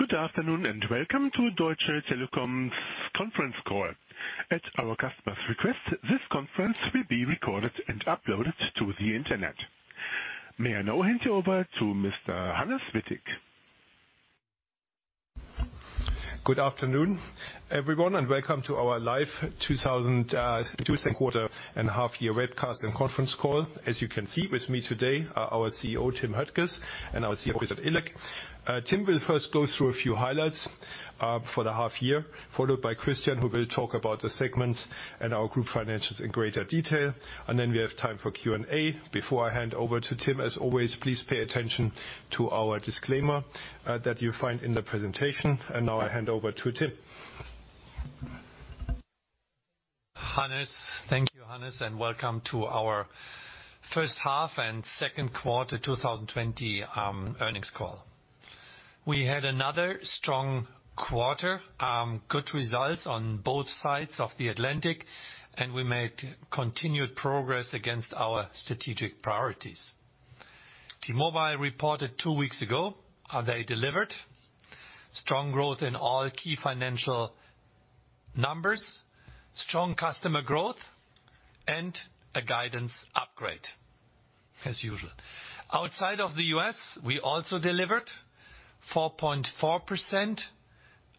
Good afternoon, and welcome to Deutsche Telekom's conference call. At our customer's request, this conference will be recorded and uploaded to the Internet. May I now hand you over to Mr. Hannes Wittig. Good afternoon, everyone, and welcome to our live 2022 second quarter and half year webcast and conference call. As you can see with me today are our CEO, Timotheus Höttges, and our CFO, Christian Illek. Tim will first go through a few highlights for the half year, followed by Christian, who will talk about the segments and our group financials in greater detail. Then we have time for Q&A. Before I hand over to Tim, as always, please pay attention to our disclaimer that you'll find in the presentation. Now I hand over to Tim. Hannes. Thank you, Hannes, and welcome to our first half and second quarter 2020 earnings call. We had another strong quarter, good results on both sides of the Atlantic, and we made continued progress against our strategic priorities. T-Mobile reported two weeks ago. They delivered strong growth in all key financial numbers, strong customer growth, and a guidance upgrade, as usual. Outside of the U.S., we also delivered 4.4%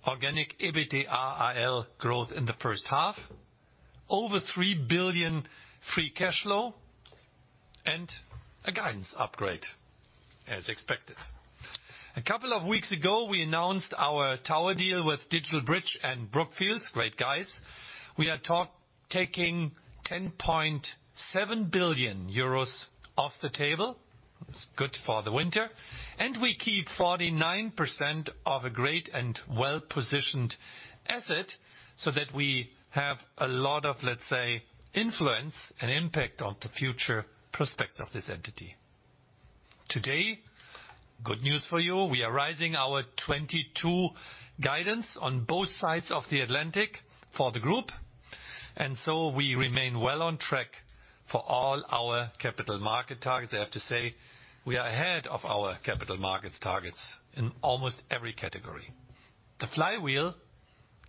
organic EBITDA AL growth in the first half, over 3 billion free cash flow, and a guidance upgrade as expected. A couple of weeks ago, we announced our tower deal with DigitalBridge and Brookfield. Great guys. We are taking 10.7 billion euros off the table. It's good for the winter. We keep 49% of a great and well-positioned asset so that we have a lot of, let's say, influence and impact on the future prospects of this entity. Today, good news for you. We are raising our 2022 guidance on both sides of the Atlantic for the group. We remain well on track for all our capital markets targets. I have to say, we are ahead of our capital markets targets in almost every category. The flywheel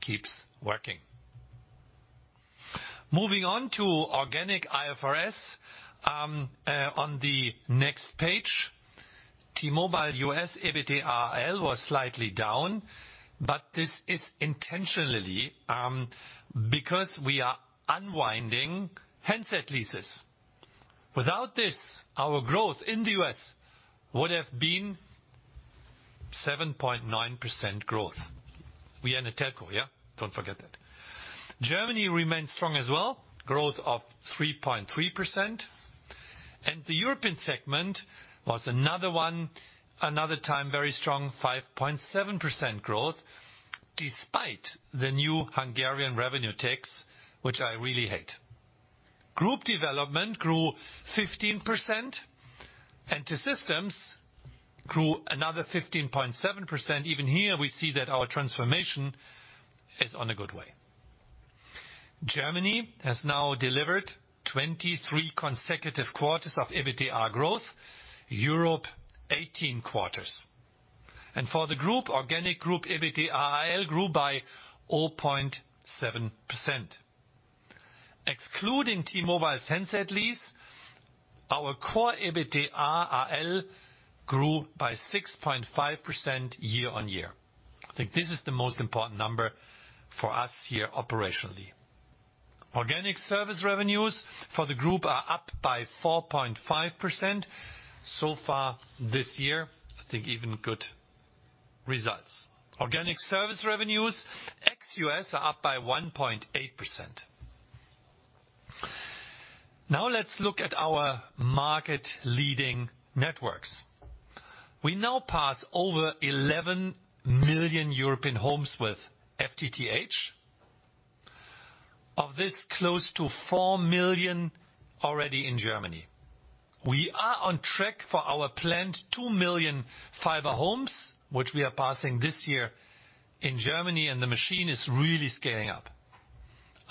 keeps working. Moving on to organic IFRS on the next page. T-Mobile US EBITDA AL was slightly down, but this is intentionally because we are unwinding handset leases. Without this, our growth in the U.S. would have been 7.9% growth. We are in a telco, yeah? Don't forget that. Germany remains strong as well, growth of 3.3%. The European segment was another one, another time, very strong, 5.7% growth, despite the new Hungarian revenue tax, which I really hate. Group development grew 15%, and T-Systems grew another 15.7%. Even here, we see that our transformation is on a good way. Germany has now delivered 23 consecutive quarters of EBITDA growth, Europe, 18 quarters. For the group, organic group EBITDA AL grew by 0.7%. Excluding T-Mobile's handset lease, our core EBITDA AL grew by 6.5% year-on-year. I think this is the most important number for us here operationally. Organic service revenues for the group are up by 4.5% so far this year. I think even good results. Organic service revenues, ex-U.S., are up by 1.8%. Now let's look at our market-leading networks. We now pass over 11 million European homes with FTTH. Of this, close to 4 million already in Germany. We are on track for our planned 2 million fiber homes, which we are passing this year in Germany, and the machine is really scaling up.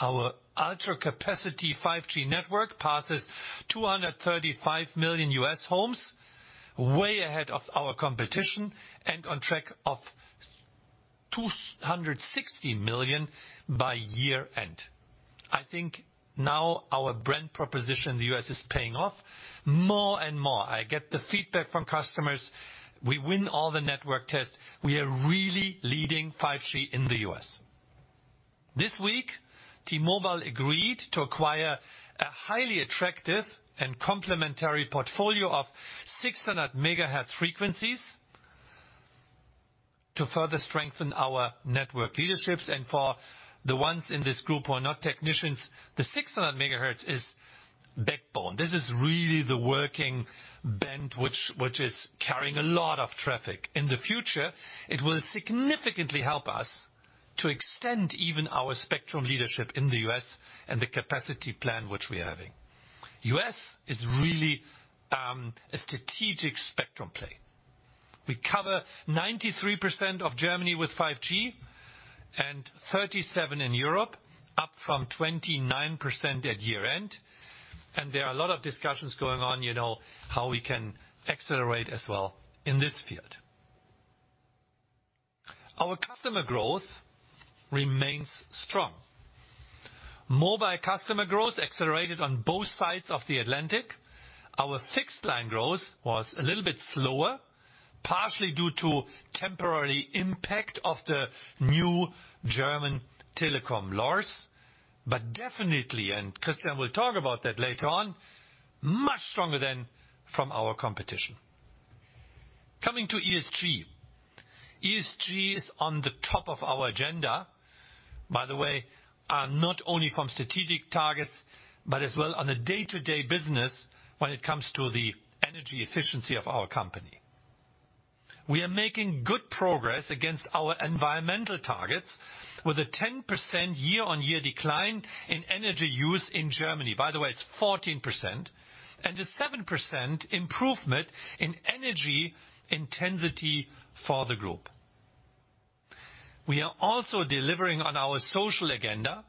Our ultra capacity 5G network passes 235 million U.S. homes, way ahead of our competition and on track of 260 million by year-end. I think now our brand proposition in the U.S. is paying off more and more. I get the feedback from customers. We win all the network tests. We are really leading 5G in the U.S. This week, T-Mobile agreed to acquire a highly attractive and complementary portfolio of 600 megahertz frequencies to further strengthen our network leaderships. For the ones in this group who are not technicians, the 600 MHz is backbone. This is really the working band which is carrying a lot of traffic. In the future, it will significantly help us to extend even our spectrum leadership in the U.S. and the capacity plan which we are having. U.S. is really a strategic spectrum play. We cover 93% of Germany with 5G and 37% in Europe from 29% at year-end, and there are a lot of discussions going on, you know, how we can accelerate as well in this field. Our customer growth remains strong. Mobile customer growth accelerated on both sides of the Atlantic. Our fixed line growth was a little bit slower, partially due to temporary impact of the new German telecom laws, but definitely, and Christian will talk about that later on, much stronger than from our competition. Coming to ESG. ESG is on the top of our agenda, by the way, not only from strategic targets, but as well on a day-to-day business when it comes to the energy efficiency of our company. We are making good progress against our environmental targets with a 10% year-on-year decline in energy use in Germany. By the way, it's 14%. A 7% improvement in energy intensity for the group. We are also delivering on our social agenda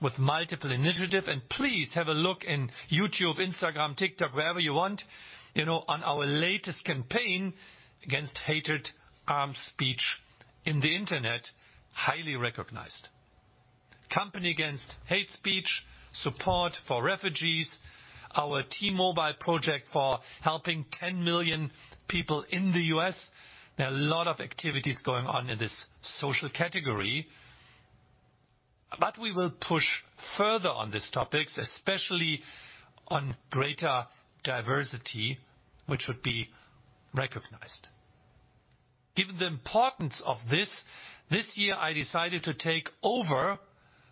with multiple initiatives. Please have a look in YouTube, Instagram, TikTok, wherever you want, you know, on our latest campaign against hatred, speech in the Internet. Highly recognized. Campaign against hate speech, support for refugees, our T-Mobile project for helping 10 million people in the U.S. There are a lot of activities going on in this social category. We will push further on these topics, especially on greater diversity, which should be recognized. Given the importance of this year I decided to take over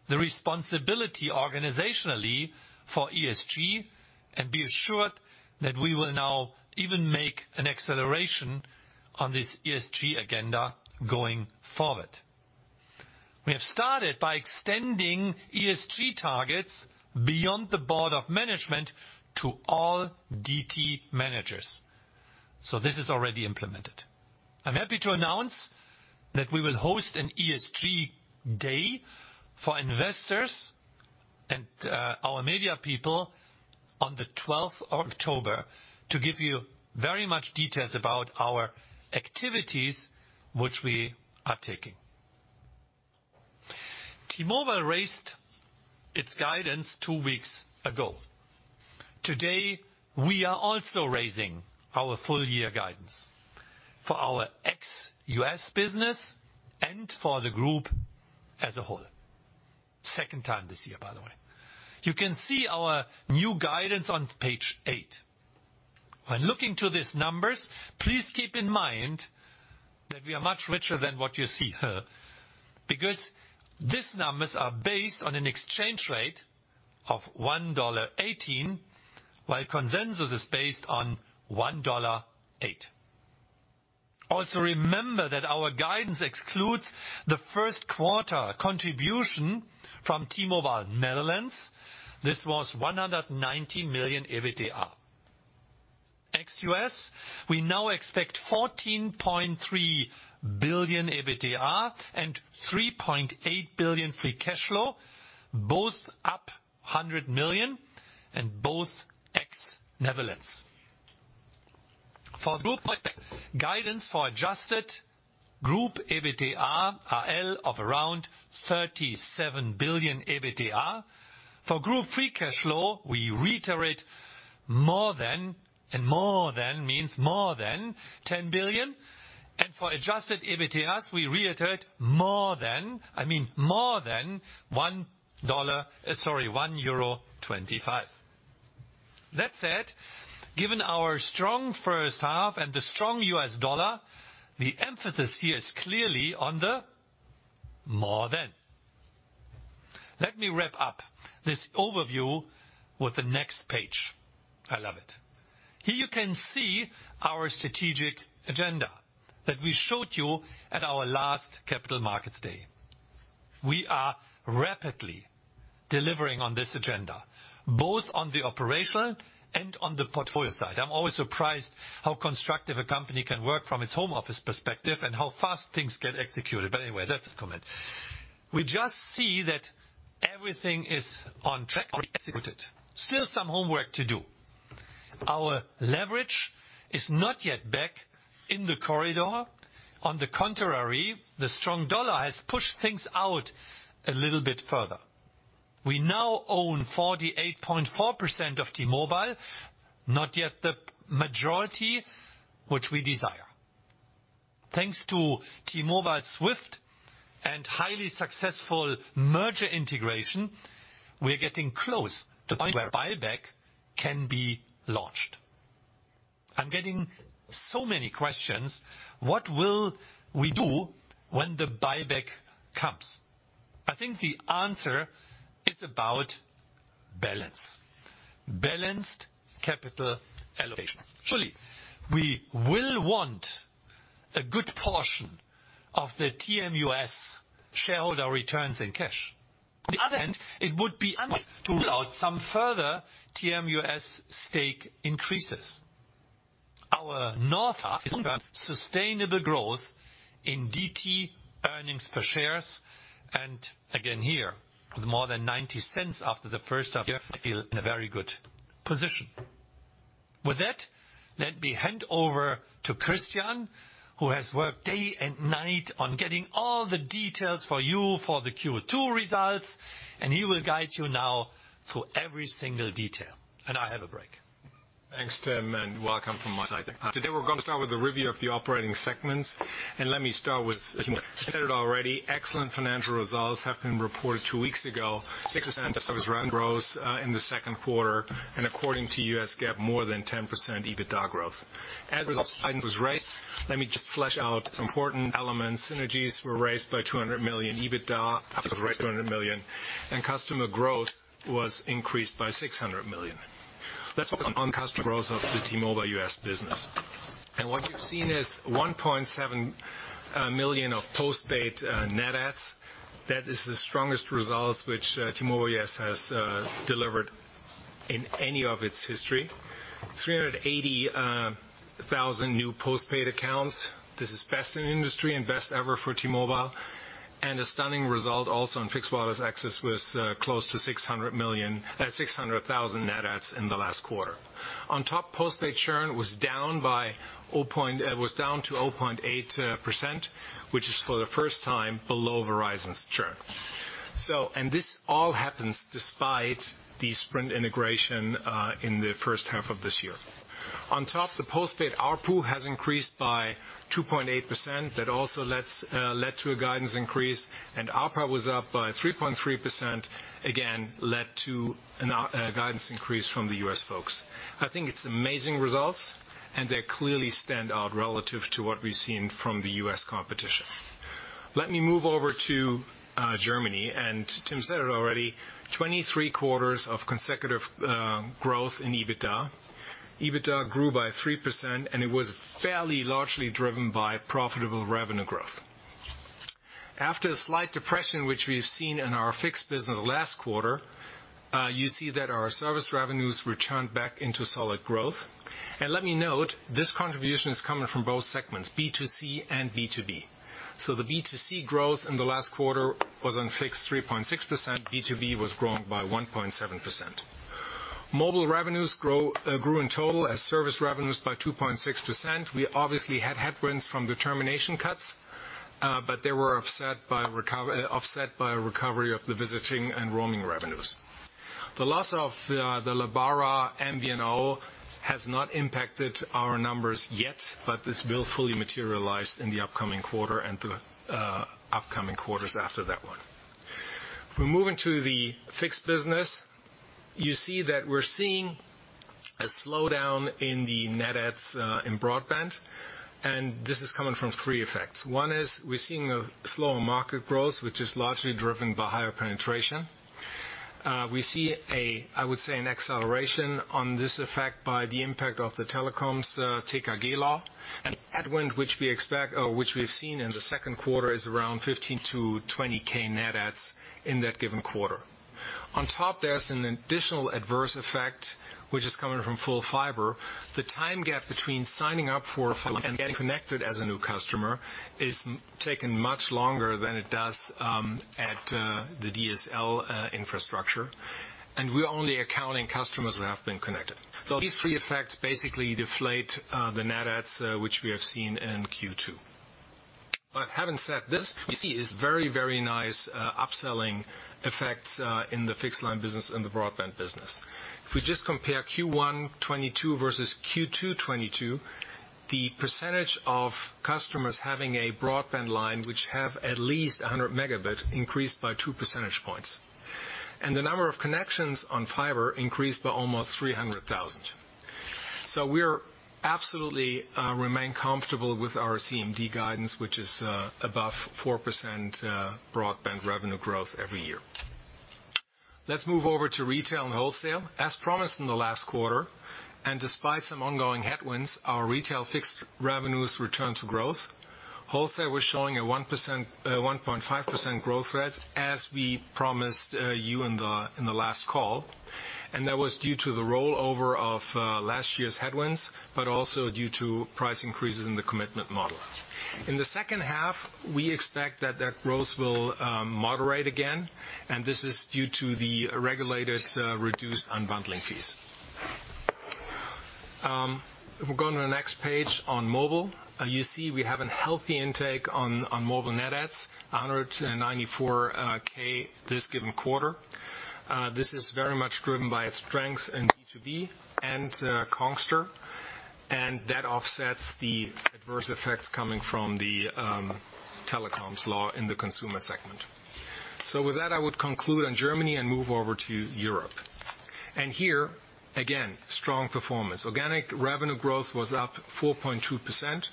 the responsibility organizationally for ESG and be assured that we will now even make an acceleration on this ESG agenda going forward. We have started by extending ESG targets beyond the board of management to all DT managers. This is already implemented. I'm happy to announce that we will host an ESG day for investors and, our media people on the twelfth of October to give you very much details about our activities which we are taking. T-Mobile raised its guidance two weeks ago. Today, we are also raising our full-year guidance for our ex-U.S. business and for the group as a whole. Second time this year, by the way. You can see our new guidance on page 8. When looking to these numbers, please keep in mind that we are much richer than what you see here, because these numbers are based on an exchange rate of $1.18, while consensus is based on $1.08. Also remember that our guidance excludes the first-quarter contribution from T-Mobile Netherlands. This was 190 million EBITDA. Ex-U.S., we now expect 14.3 billion EBITDA and 3.8 billion free cash flow, both up 100 million and both ex-Netherlands. For group prospects, guidance for adjusted group EBITDA AL of around 37 billion EBITDA. For group free cash flow, we reiterate more than, and more than means more than 10 billion. For adjusted EBITDA, we reiterate more than, I mean, more than one dollar, sorry, 25 billion. That said, given our strong first half and the strong US dollar, the emphasis here is clearly on the more than. Let me wrap up this overview with the next page. I love it. Here you can see our strategic agenda that we showed you at our last Capital Markets Day. We are rapidly delivering on this agenda, both on the operational and on the portfolio side. I'm always surprised how constructive a company can work from its home office perspective and how fast things get executed. Anyway, that's a comment. We just see that everything is on track or executed. Still some homework to do. Our leverage is not yet back in the corridor. On the contrary, the strong dollar has pushed things out a little bit further. We now own 48.4% of T-Mobile, not yet the majority which we desire. Thanks to T-Mobile swift and highly successful merger integration, we're getting close to the point where buyback can be launched. I'm getting so many questions. What will we do when the buyback comes? I think the answer is about balance. Balanced capital allocation. Surely, we will want a good portion of the TMUS shareholder returns in cash. On the other hand, it would be unwise to rule out some further TMUS stake increases. Our North Star sustainable growth in DT earnings per shares. Again here, with more than €0.90 after the first half year, I feel in a very good position. With that, let me hand over to Christian, who has worked day and night on getting all the details for you for the Q2 results, and he will guide you now through every single detail. I have a break. Thanks, Tim, and welcome from my side. Today we're gonna start with a review of the operating segments. Let me start with, Tim said it already, excellent financial results have been reported two weeks ago. 6% service revenue growth in the second quarter, and according to U.S. GAAP, more than 10% EBITDA growth. As results guidance was raised, let me just flesh out some important elements. Synergies were raised by 200 million EBITDA, and customer growth was increased by 600 million. Let's focus on customer growth of the T-Mobile US business. What we've seen is 1.7 million of postpaid net adds. That is the strongest results which T-Mobile US has delivered in any of its history. 380,000 new postpaid accounts. This is best in industry and best ever for T-Mobile. A stunning result also in fixed wireless access with close to 600,000 net adds in the last quarter. Postpaid churn was down to 0.8%, which is for the first time below Verizon's churn. This all happens despite the Sprint integration in the first half of this year. On top, the postpaid ARPU has increased by 2.8%. That also led to a guidance increase. ARPA was up by 3.3%, again, led to a guidance increase from the US folks. I think it's amazing results, and they clearly stand out relative to what we've seen from the US competition. Let me move over to Germany. Tim said it already, 23 quarters of consecutive growth in EBITDA. EBITDA grew by 3%, and it was fairly largely driven by profitable revenue growth. After a slight depression, which we have seen in our fixed business last quarter, you see that our service revenues returned back into solid growth. Let me note, this contribution is coming from both segments, B2C and B2B. The B2C growth in the last quarter was on fixed 3.6%. B2B was growing by 1.7%. Mobile revenues grew in total as service revenues by 2.6%. We obviously had headwinds from the termination cuts, but they were offset by a recovery of the visiting and roaming revenues. The loss of the Lebara MVNO has not impacted our numbers yet, but this will fully materialize in the upcoming quarter and the upcoming quarters after that one. If we move into the fixed business, you see that we're seeing a slowdown in the net adds in broadband, and this is coming from three effects. One is we're seeing a slower market growth, which is largely driven by higher penetration. We see a, I would say, an acceleration on this effect by the impact of the telecoms TKG law. The headwind, which we expect, which we've seen in the second quarter, is around 15-20K net adds in that given quarter. On top, there's an additional adverse effect, which is coming from full fiber. The time gap between signing up for full fiber and getting connected as a new customer is taking much longer than it does at the DSL infrastructure. We're only accounting customers who have been connected. These three effects basically deflate the net adds which we have seen in Q2. Having said this, we see is very, very nice upselling effects in the fixed line business and the broadband business. If we just compare Q1 2022 versus Q2 2022, the percentage of customers having a broadband line which have at least 100 megabit increased by two percentage points. The number of connections on fiber increased by almost 300,000. We are absolutely remain comfortable with our CMD guidance, which is above 4% broadband revenue growth every year. Let's move over to retail and wholesale. As promised in the last quarter, and despite some ongoing headwinds, our retail fixed revenues returned to growth. Wholesale was showing a 1%, 1.5% growth rate, as we promised you in the last call. That was due to the rollover of last year's headwinds, but also due to price increases in the commitment model. In the second half, we expect that growth will moderate again, and this is due to the regulated reduced unbundling fees. If we go to the next page on mobile, you see we have a healthy intake on mobile net adds, 194K this given quarter. This is very much driven by its strength in B2B and Congstar, and that offsets the adverse effects coming from the telecoms law in the consumer segment. With that, I would conclude on Germany and move over to Europe. Here, again, strong performance. Organic revenue growth was up 4.2%,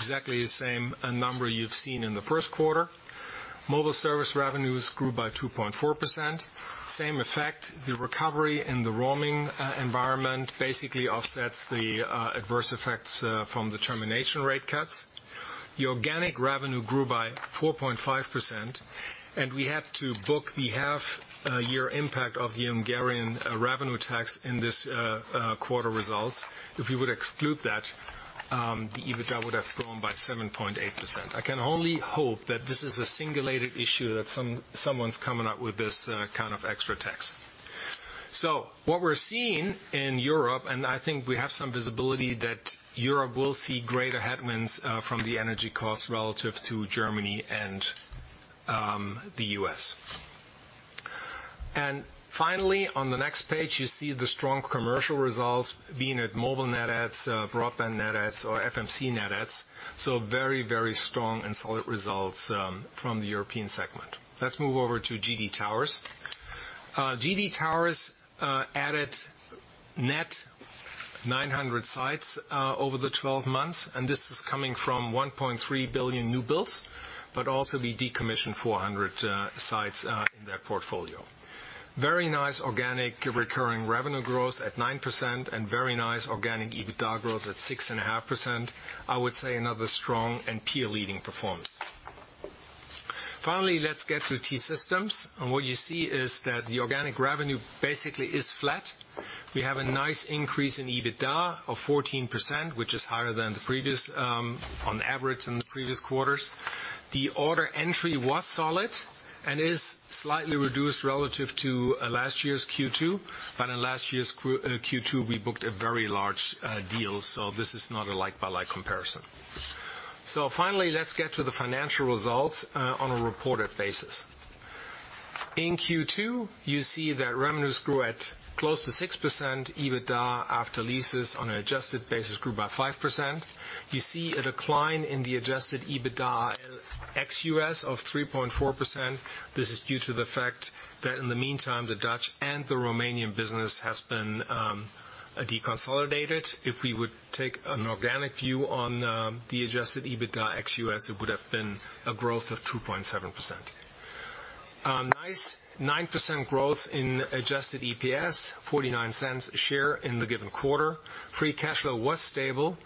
exactly the same number you've seen in the first quarter. Mobile service revenues grew by 2.4%. Same effect, the recovery in the roaming environment basically offsets the adverse effects from the termination rate cuts. The organic revenue grew by 4.5% and we had to book the half year impact of the Hungarian revenue tax in this quarter results. If you would exclude that, the EBITDA would have grown by 7.8%. I can only hope that this is a singular issue that someone's coming up with this kind of extra tax. What we're seeing in Europe, and I think we have some visibility that Europe will see greater headwinds from the energy costs relative to Germany and the US. Finally, on the next page, you see the strong commercial results being at mobile net adds, broadband net adds or FMC net adds. Very, very strong and solid results from the European segment. Let's move over to GD Towers. GD Towers added net 900 sites over the 12 months, and this is coming from 1.3 billion new builds, but also we decommissioned 400 sites in their portfolio. Very nice organic recurring revenue growth at 9% and very nice organic EBITDA growth at 6.5%. I would say another strong and peer leading performance. Finally, let's get to T-Systems. What you see is that the organic revenue basically is flat. We have a nice increase in EBITDA of 14%, which is higher than the previous on average in the previous quarters. The order entry was solid and is slightly reduced relative to last year's Q2. In last year's Q2, we booked a very large deal, so this is not a like-for-like comparison. Finally, let's get to the financial results on a reported basis. In Q2, you see that revenues grew at close to 6%. EBITDA after leases on an adjusted basis grew by 5%. You see a decline in the adjusted EBITDA ex-US of 3.4%. This is due to the fact that in the meantime, the Dutch and the Romanian business has been deconsolidated. If we would take an organic view on the adjusted EBITDA ex-US, it would have been a growth of 2.7%. Nice 9% growth in adjusted EPS, 0.49 a share in the given quarter. Free cash flow was stable,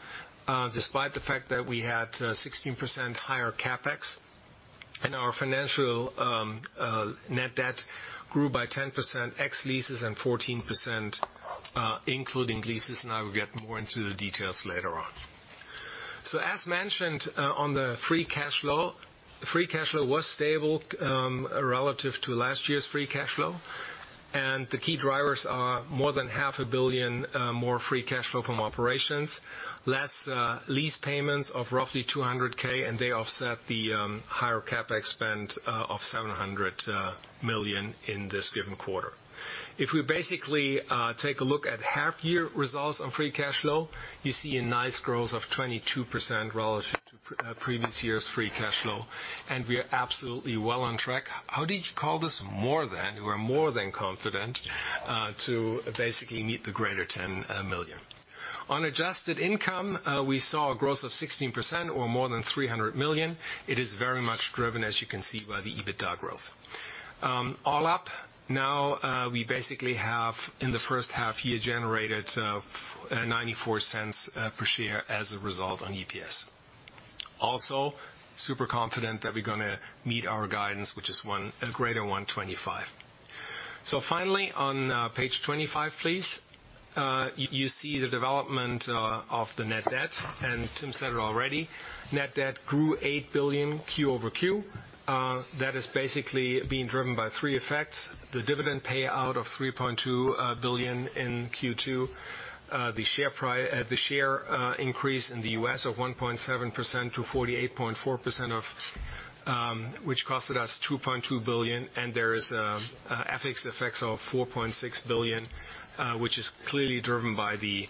despite the fact that we had 16% higher CapEx. Our financial net debt grew by 10% ex-leases and 14%, including leases, and I will get more into the details later on. As mentioned, on the free cash flow, free cash flow was stable, relative to last year's free cash flow. The key drivers are more than half a billion EUR more free cash flow from operations, less lease payments of roughly 200 thousand and they offset the higher CapEx spend of 700 million in this given quarter. If we basically take a look at half-year results on free cash flow, you see a nice growth of 22% relative to previous year's free cash flow, and we are absolutely well on track. How did you call this? More than. We're more than confident to basically meet the greater than 10 million. On adjusted income, we saw a growth of 16% or more than 300 million. It is very much driven, as you can see, by the EBITDA growth. All up, now, we basically have in the first half year generated 0.94 EUR per share as a result on EPS. Also, super confident that we're gonna meet our guidance, which is greater 1.25 EUR. Finally, on page 25, please. You see the development of the net debt, and Tim said it already. Net debt grew 8 billion Q over Q. That is basically being driven by three effects. The dividend payout of 3.2 billion in Q2. The share increase in the US of 1.7% to 48.4%, of which cost us 2.2 billion. There is FX effects of 4.6 billion, which is clearly driven by the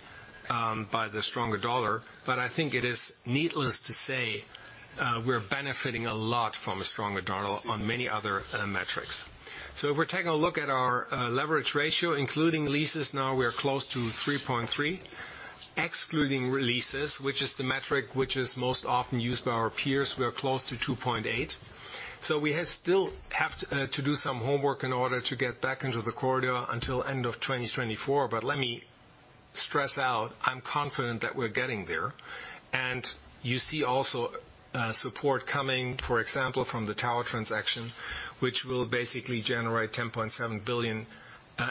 stronger dollar. I think it is needless to say, we're benefiting a lot from a stronger dollar on many other metrics. If we're taking a look at our leverage ratio, including leases, now we are close to 3.3. Excluding leases, which is the metric which is most often used by our peers, we are close to 2.8. We still have to do some homework in order to get back into the corridor until end of 2024. Let me stress out, I'm confident that we're getting there. You see also support coming, for example, from the tower transaction, which will basically generate 10.7 billion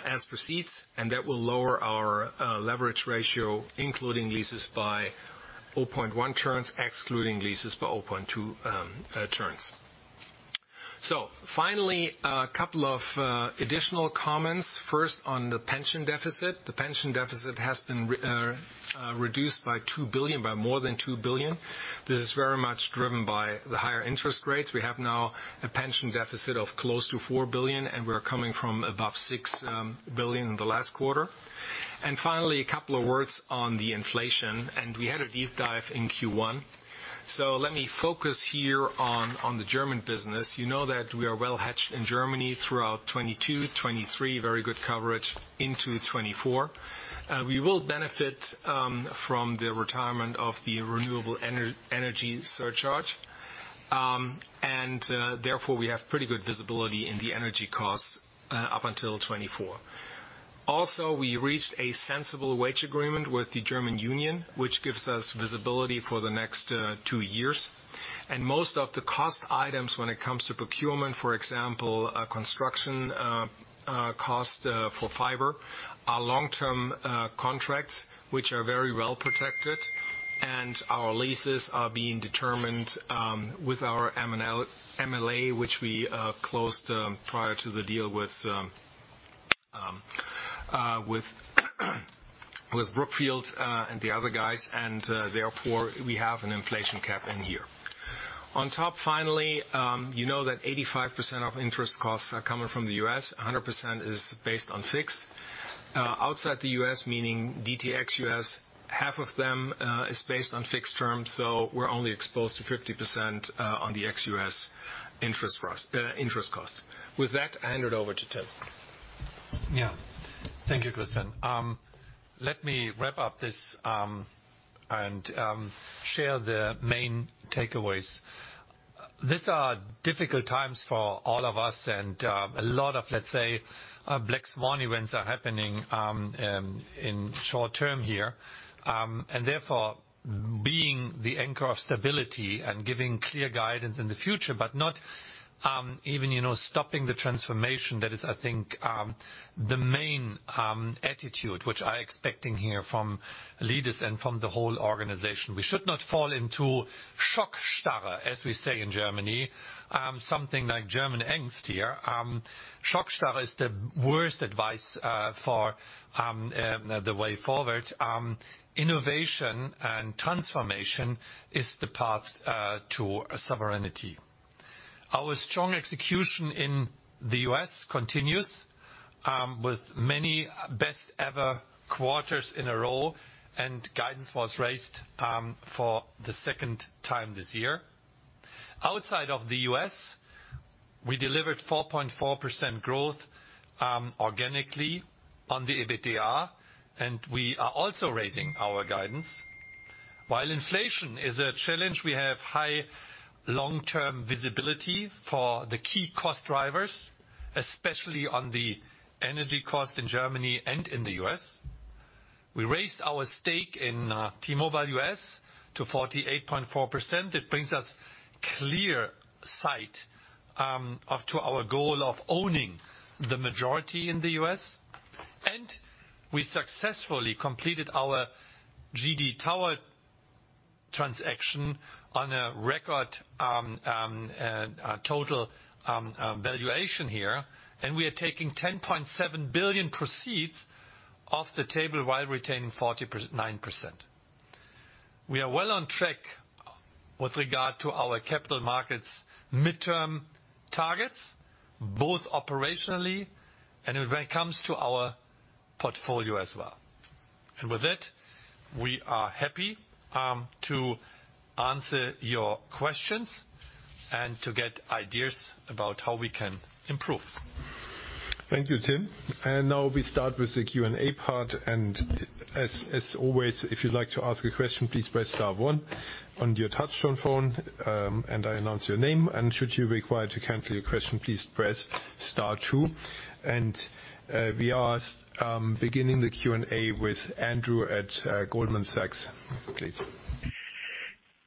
as proceeds, and that will lower our leverage ratio, including leases by 0.1 turns, excluding leases by 0.2 turns. Finally, a couple of additional comments. First on the pension deficit. The pension deficit has been reduced by 2 billion, by more than 2 billion. This is very much driven by the higher interest rates. We have now a pension deficit of close to 4 billion, and we are coming from above 6 billion in the last quarter. Finally, a couple of words on the inflation, and we had a deep dive in Q1. Let me focus here on the German business. You know that we are well hedged in Germany throughout 2022, 2023. Very good coverage into 2024. We will benefit from the retirement of the renewable energy surcharge. Therefore we have pretty good visibility in the energy costs up until 2024. Also, we reached a sensible wage agreement with the German union, which gives us visibility for the next two years. Most of the cost items when it comes to procurement, for example, construction cost for fiber, are long-term contracts which are very well protected. Our leases are being determined with our MLA, which we closed prior to the deal with Brookfield and the other guys. Therefore we have an inflation cap in here. On top, finally, you know that 85% of interest costs are coming from the US. 100% is based on fixed. Outside the US, meaning DT ex-US, half of them is based on fixed terms, so we're only exposed to 50% on the ex-US interest costs. With that, I hand it over to Tim Höttges. Yeah. Thank you, Christian. Let me wrap up this and share the main takeaways. These are difficult times for all of us and a lot of, let's say, black swan events are happening in short term here. Therefore, being the anchor of stability and giving clear guidance in the future, but not even, you know, stopping the transformation, that is, I think, the main attitude which I expecting here from leaders and from the whole organization. We should not fall into Schockstarre, as we say in Germany, something like German angst here. Schockstarre is the worst advice for the way forward. Innovation and transformation is the path to sovereignty. Our strong execution in the U.S. continues, with many best ever quarters in a row, and guidance was raised, for the second time this year. Outside of the U.S., we delivered 4.4% growth, organically on the EBITDA, and we are also raising our guidance. While inflation is a challenge, we have high long-term visibility for the key cost drivers, especially on the energy cost in Germany and in the U.S. We raised our stake in T-Mobile US to 48.4%. It brings us clear sight, up to our goal of owning the majority in the U.S. We successfully completed our GD Towers transaction on a record total valuation here, and we are taking 10.7 billion proceeds off the table while retaining 49%. We are well on track with regard to our capital markets midterm targets, both operationally and when it comes to our portfolio as well. With that, we are happy to answer your questions and to get ideas about how we can improve. Thank you, Tim. Now we start with the Q&A part. As always, if you'd like to ask a question, please press star one on your touchtone phone, and I announce your name. Should you require to cancel your question, please press star two. We are beginning the Q&A with Andrew at Goldman Sachs, please.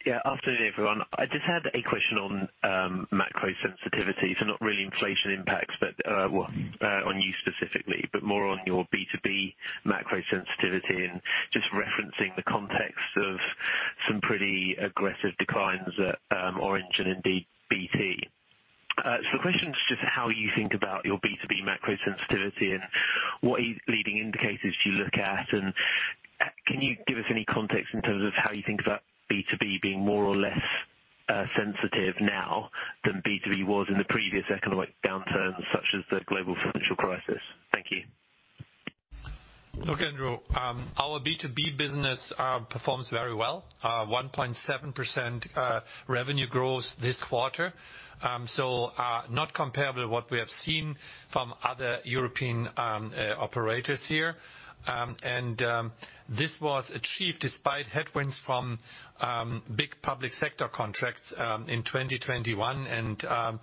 Yeah. Afternoon, everyone. I just had a question on macro sensitivity, so not really inflation impacts, but on you specifically, but more on your B2B macro sensitivity and just referencing the context of some pretty aggressive declines at Orange and in BT. So the question is just how you think about your B2B macro sensitivity and what leading indicators do you look at. Can you give us any context in terms of how you think about B2B being more or less sensitive now than B2B was in the previous economic downturn, such as the global financial crisis? Thank you. Look, Andrew, our B2B business performs very well. 1.7% revenue growth this quarter. Not comparable to what we have seen from other European operators here. This was achieved despite headwinds from big public sector contracts in 2021 and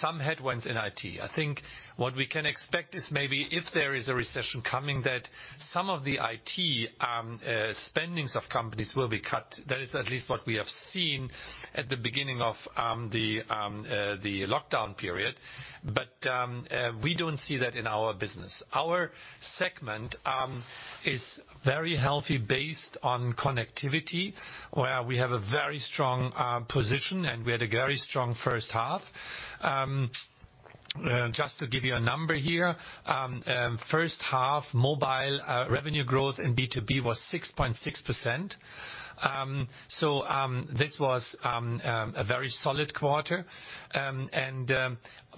some headwinds in IT. I think what we can expect is maybe if there is a recession coming, that some of the IT spendings of companies will be cut. That is at least what we have seen at the beginning of the lockdown period. We don't see that in our business. Our segment is very healthy based on connectivity, where we have a very strong position, and we had a very strong first half. Just to give you a number here, first half mobile revenue growth in B2B was 6.6%. This was a very solid quarter.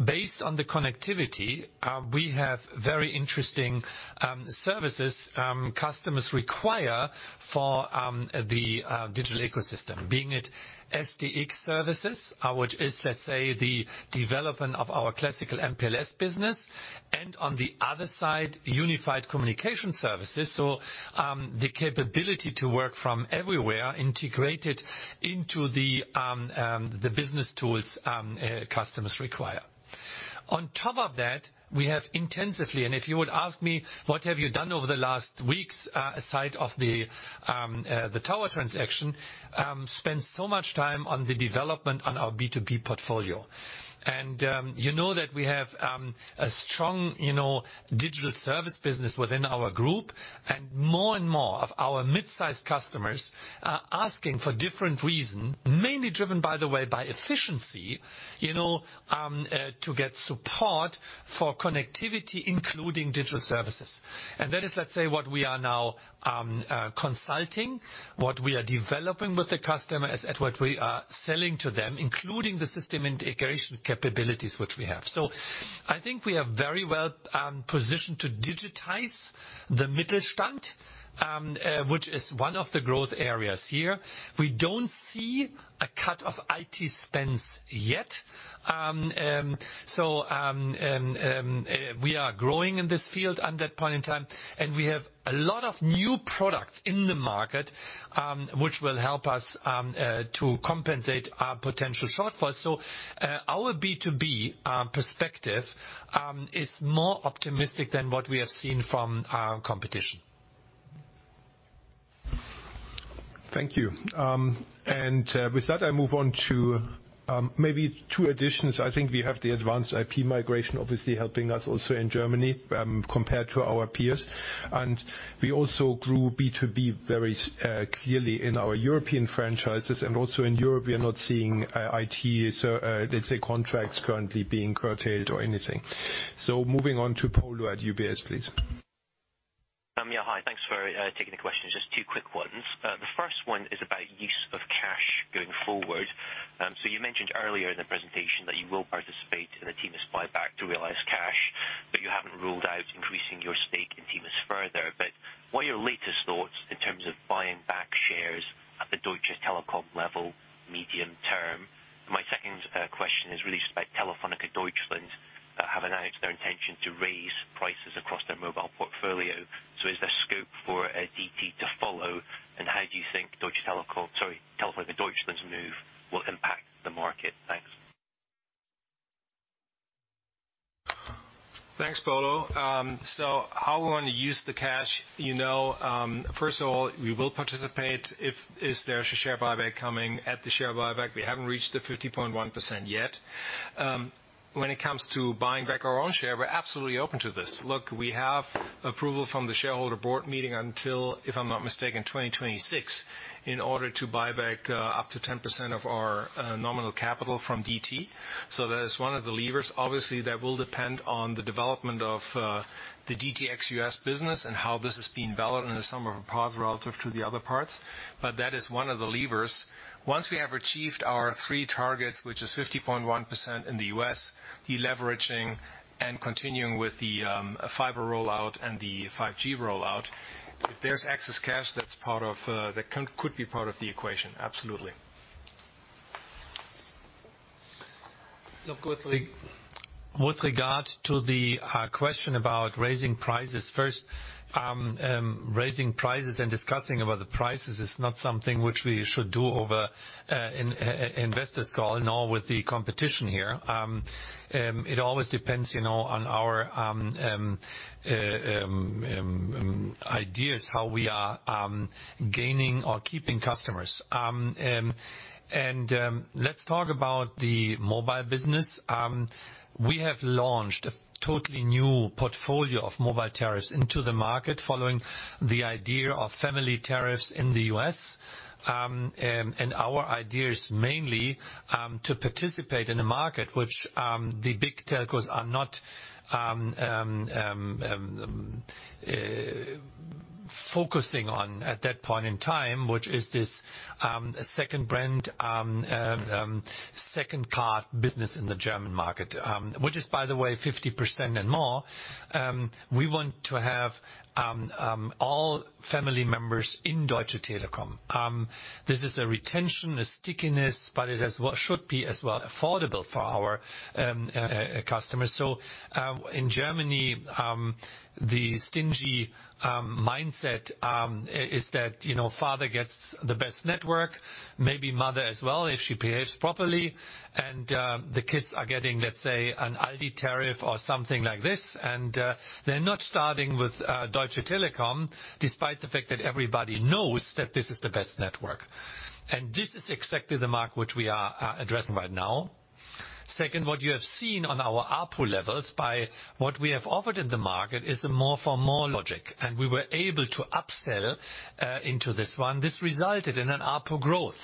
Based on the connectivity, we have very interesting services customers require for the digital ecosystem, be it SD-WAN services, which is, let's say, the development of our classical MPLS business, and on the other side, unified communication services. The capability to work from everywhere integrated into the business tools customers require. On top of that, we have intensively, and if you would ask me, what have you done over the last weeks, aside of the tower transaction, spent so much time on the development of our B2B portfolio. You know that we have a strong, you know, digital service business within our group. More and more of our mid-sized customers are asking for different reason, mainly driven, by the way, by efficiency, you know, to get support for connectivity, including digital services. That is, let's say, what we are now consulting, what we are developing with the customer and what we are selling to them, including the system integration capabilities which we have. I think we are very well positioned to digitize the Mittelstand, which is one of the growth areas here. We don't see a cut of IT spends yet. We are growing in this field at that point in time, and we have a lot of new products in the market, which will help us to compensate our potential shortfall. Our B2B perspective is more optimistic than what we have seen from our competition. Thank you. With that, I move on to maybe two additions. I think we have the advanced IP migration, obviously helping us also in Germany, compared to our peers. We also grew B2B very clearly in our European franchises. Also in Europe, we are not seeing IT, so let's say, contracts currently being curtailed or anything. Moving on to Polo Tang at UBS, please. Yeah, hi. Thanks for taking the questions. Just two quick ones. The first one is about use of cash going forward. You mentioned earlier in the presentation that you will participate in a T-Mobile's buyback to realize cash, but you haven't ruled out increasing your stake in T-Mobile further. What are your latest thoughts in terms of buying back shares at the Deutsche Telekom level medium term? My second question is really just about Telefónica Deutschland have announced their intention to raise prices across their mobile portfolio. Is there scope for DT to follow? How do you think Deutsche Telekom, sorry, Telefónica Deutschland's move will impact the market? Thanks. Thanks, Paulo. So how we wanna use the cash, you know, first of all, we will participate if there is a share buyback coming. At the share buyback, we haven't reached the 50.1% yet. When it comes to buying back our own share, we're absolutely open to this. Look, we have approval from the shareholder board meeting until, if I'm not mistaken, 2026, in order to buy back up to 10% of our nominal capital from DT. So that is one of the levers. Obviously, that will depend on the development of the DT ex-US business and how this is being valued in the sum of our parts relative to the other parts. That is one of the levers. Once we have achieved our three targets, which is 50.1% in the US, deleveraging and continuing with the fiber rollout and the 5G rollout, if there's excess cash, that's part of that could be part of the equation. Absolutely. Look, with regard to the question about raising prices, first, raising prices and discussing about the prices is not something which we should do over in investors call nor with the competition here. It always depends, you know, on our ideas how we are gaining or keeping customers. Let's talk about the mobile business. We have launched a totally new portfolio of mobile tariffs into the market following the idea of family tariffs in the U.S. Our idea is mainly to participate in a market which the big telcos are not focusing on at that point in time, which is this second brand, second card business in the German market, which is, by the way, 50% and more. We want to have all family members in Deutsche Telekom. This is a retention, a stickiness, but it is what should be as well affordable for our customers. In Germany, the stingy mindset is that, you know, father gets the best network, maybe mother as well, if she behaves properly. The kids are getting, let's say, an Aldi tariff or something like this. They're not starting with Deutsche Telekom, despite the fact that everybody knows that this is the best network. This is exactly the market which we are addressing right now. Second, what you have seen on our ARPU levels by what we have offered in the market is a more for more logic, and we were able to upsell into this one. This resulted in an ARPU growth.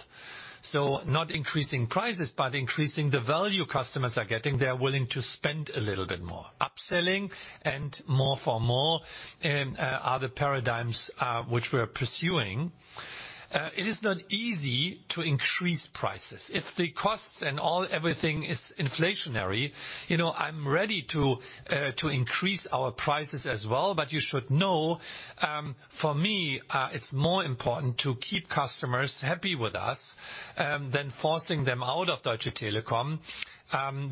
Not increasing prices, but increasing the value customers are getting, they are willing to spend a little bit more. Upselling and more for more are the paradigms which we're pursuing. It is not easy to increase prices. It's the costs and all, everything is inflationary. You know, I'm ready to increase our prices as well, but you should know, for me, it's more important to keep customers happy with us, than forcing them out of Deutsche Telekom,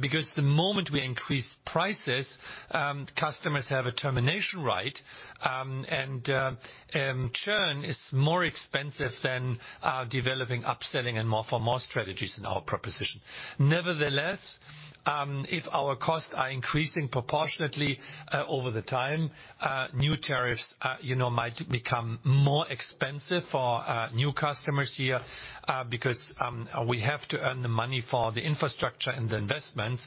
because the moment we increase prices, customers have a termination right. Churn is more expensive than developing upselling and more for more strategies in our proposition. Nevertheless, if our costs are increasing proportionately, over the time, new tariffs, you know, might become more expensive for new customers here, because we have to earn the money for the infrastructure and the investments,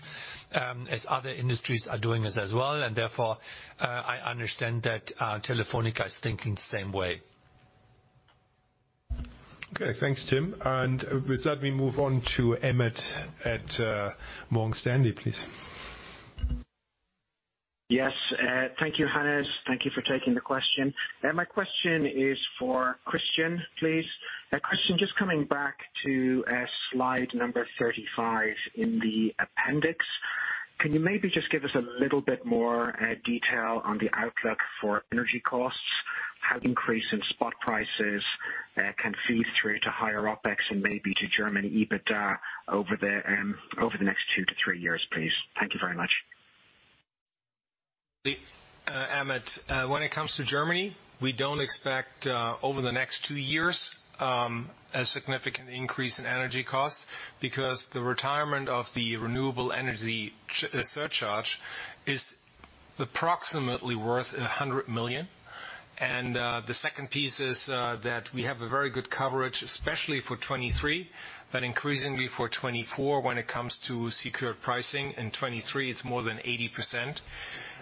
as other industries are doing this as well. Therefore, I understand that, Telefónica is thinking the same way. Okay, thanks Tim. With that, we move on to Emmett at Morgan Stanley, please. Yes. Thank you, Hannes. Thank you for taking the question. My question is for Christian, please. Christian, just coming back to slide number 35 in the appendix. Can you maybe just give us a little bit more detail on the outlook for energy costs? How increase in spot prices can feed through to higher OpEx and maybe to Germany EBITDA over the next two to three years, please. Thank you very much. Emmett, when it comes to Germany, we don't expect over the next 2 years a significant increase in energy costs because the retirement of the renewable energy surcharge is approximately worth 100 million. The second piece is that we have a very good coverage, especially for 2023, but increasingly for 2024 when it comes to secured pricing. In 2023, it's more than 80%.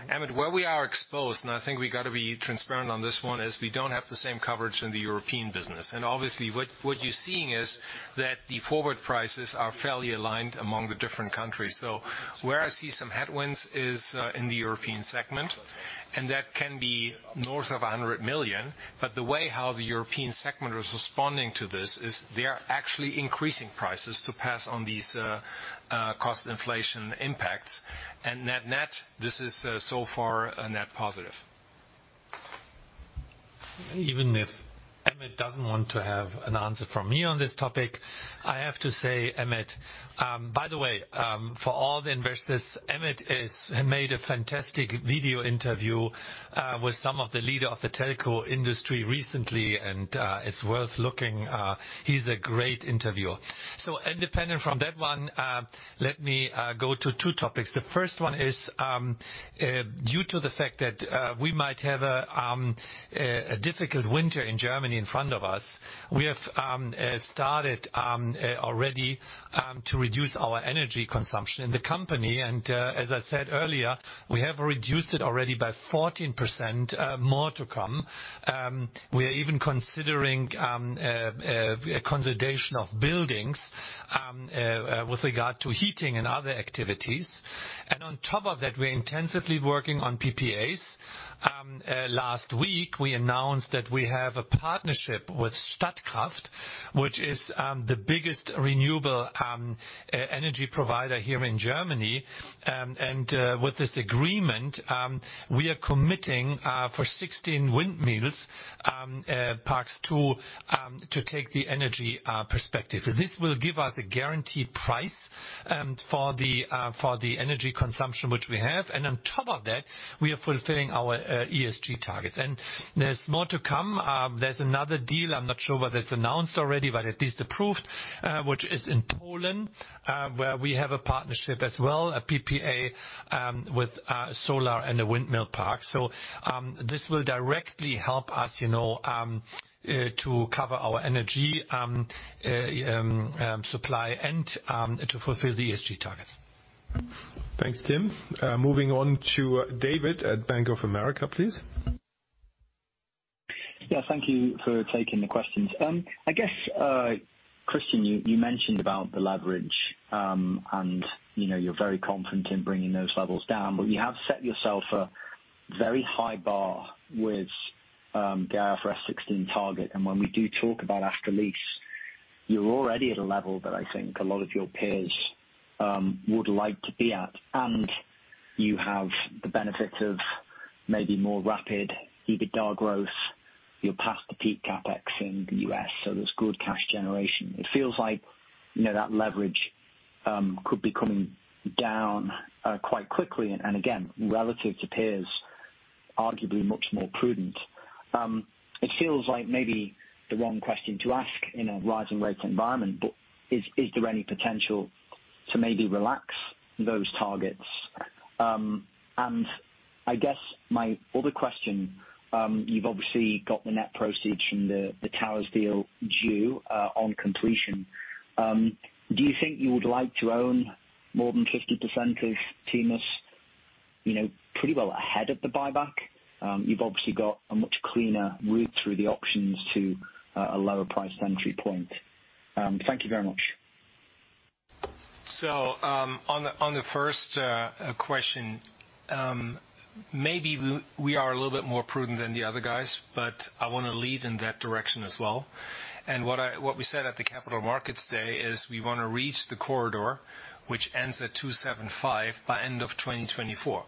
Emmett, where we are exposed, and I think we gotta be transparent on this one, is we don't have the same coverage in the European business. Obviously, what you're seeing is that the forward prices are fairly aligned among the different countries. Where I see some headwinds is in the European segment, and that can be north of 100 million. The way how the European segment is responding to this is they're actually increasing prices to pass on these, cost inflation impacts. Net-net, this is so far a net positive. Even if Emmet doesn't want to have an answer from me on this topic, I have to say, Emmet, by the way, for all the investors, Emmet made a fantastic video interview with some of the leaders of the telco industry recently, and it's worth looking. He's a great interviewer. Independent from that one, let me go to two topics. The first one is due to the fact that we might have a difficult winter in Germany in front of us, we have started already to reduce our energy consumption in the company. As I said earlier, we have reduced it already by 14%, more to come. We are even considering consolidation of buildings with regard to heating and other activities. On top of that, we're intensively working on PPAs. Last week, we announced that we have a partnership with Statkraft, which is the biggest renewable energy provider here in Germany. With this agreement, we are committing for 16 windmill parks to take the energy prospectively. This will give us a guaranteed price for the energy consumption which we have. On top of that, we are fulfilling our ESG targets. There's more to come. There's another deal, I'm not sure whether it's announced already, but at least approved, which is in Poland, where we have a partnership as well, a PPA with solar and a windmill park. This will directly help us, you know, to cover our energy supply and to fulfill the ESG targets. Thanks, Tim. Moving on to David at Bank of America, please. Yeah, thank you for taking the questions. I guess, Christian, you mentioned about the leverage, and you know, you're very confident in bringing those levels down. You have set yourself a very high bar with IFRS 16 target. When we do talk about after-lease, you're already at a level that I think a lot of your peers would like to be at. You have the benefits of maybe more rapid EBITDA growth. You're past the peak CapEx in the U.S., so there's good cash generation. It feels like, you know, that leverage could be coming down quite quickly, and again, relative to peers, arguably much more prudent. It feels like maybe the wrong question to ask in a rising rate environment. Is there any potential to maybe relax those targets? I guess my other question, you've obviously got the net proceeds from the GD Towers deal due on completion. Do you think you would like to own more than 50% of T-Mobile US, you know, pretty well ahead of the buyback? You've obviously got a much cleaner route through the options to a lower price entry point. Thank you very much. On the first question, maybe we are a little bit more prudent than the other guys, but I wanna lead in that direction as well. What we said at the Capital Markets Day is we wanna reach the corridor, which ends at 2.75 by end of 2024.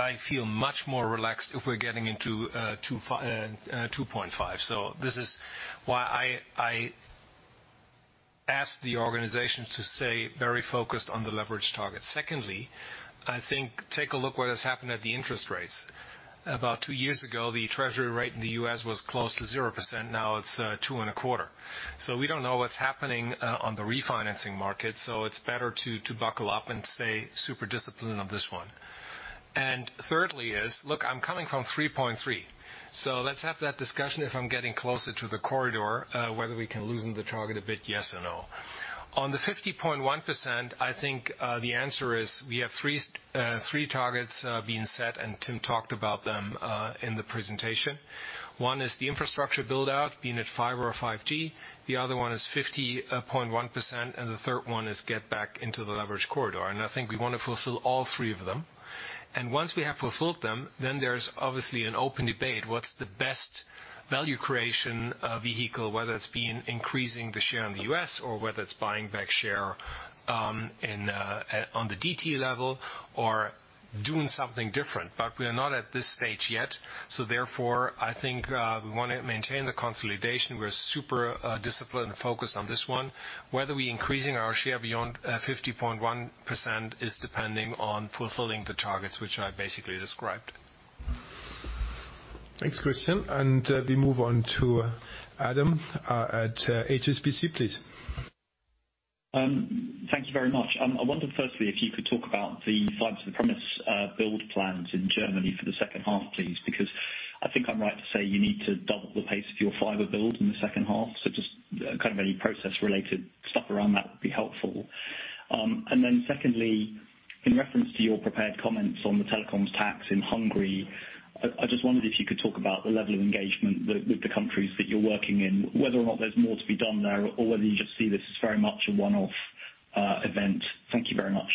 I feel much more relaxed if we're getting into 2.5. This is why I ask the organization to stay very focused on the leverage target. Secondly, I think take a look at what has happened at the interest rates. About two years ago, the Treasury rate in the U.S. was close to 0%. Now it's 2.25%. We don't know what's happening on the refinancing market, so it's better to buckle up and stay super disciplined on this one. Thirdly is, look, I'm coming from 3.3. Let's have that discussion if I'm getting closer to the corridor whether we can loosen the target a bit, yes or no. On the 50.1%, I think the answer is we have three targets being set, and Tim Höttges talked about them in the presentation. One is the infrastructure build-out being at fiber or 5G. The other one is 50.1%, and the third one is get back into the leverage corridor. I think we wanna fulfill all three of them. Once we have fulfilled them, then there's obviously an open debate, what's the best value creation vehicle, whether it's been increasing the share in the U.S. or whether it's buying back share on the DT level or doing something different. We are not at this stage yet, so therefore, I think, we wanna maintain the consolidation. We're super disciplined and focused on this one. Whether we increasing our share beyond 50.1% is depending on fulfilling the targets which I basically described. Thanks, Christian. We move on to Adam at HSBC, please. Thank you very much. I wondered firstly if you could talk about the Fiber to the Premises build plans in Germany for the second half, please, because I think I'm right to say you need to double the pace of your fiber build in the second half. Just kind of any process related stuff around that would be helpful. Secondly, in reference to your prepared comments on the telecoms tax in Hungary, I just wondered if you could talk about the level of engagement with the countries that you're working in, whether or not there's more to be done there or whether you just see this as very much a one-off event. Thank you very much.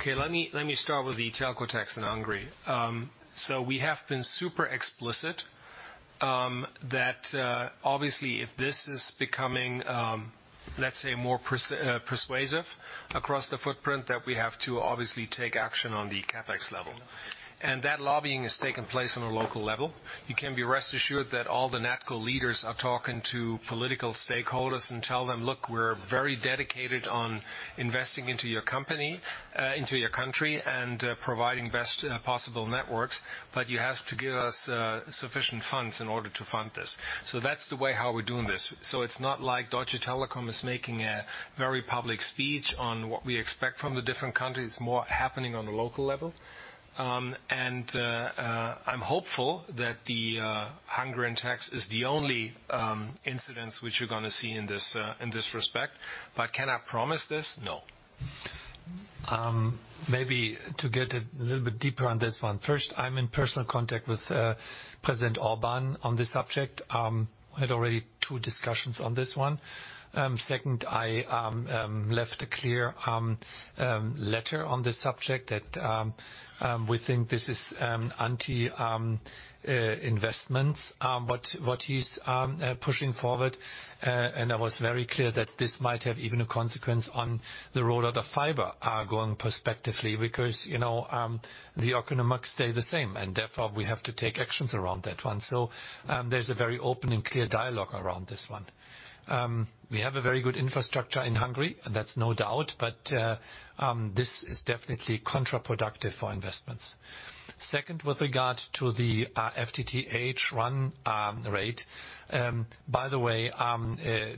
Okay. Let me start with the telco tax in Hungary. We have been super explicit that obviously, if this is becoming, let's say, more persuasive across the footprint, that we have to obviously take action on the CapEx level. That lobbying is taking place on a local level. You can be rest assured that all the NatCo leaders are talking to political stakeholders and tell them, "Look, we're very dedicated on investing into your company, into your country and providing best possible networks, but you have to give us sufficient funds in order to fund this." That's the way how we're doing this. It's not like Deutsche Telekom is making a very public speech on what we expect from the different countries. It's more happening on a local level. I'm hopeful that the Hungarian tax is the only incident which you're gonna see in this respect. Can I promise this? No. Maybe to get a little bit deeper on this one. First, I'm in personal contact with President Orbán on this subject. Had already 2 discussions on this one. Second, I left a clear letter on this subject that we think this is anti investments what he's pushing forward. I was very clear that this might have even a consequence on the roll out of fiber going prospectively because, you know, the economics stay the same, and therefore we have to take actions around that one. There's a very open and clear dialogue around this one. We have a very good infrastructure in Hungary, and that's no doubt, but this is definitely counterproductive for investments. Second, with regard to the FTTH run rate. By the way,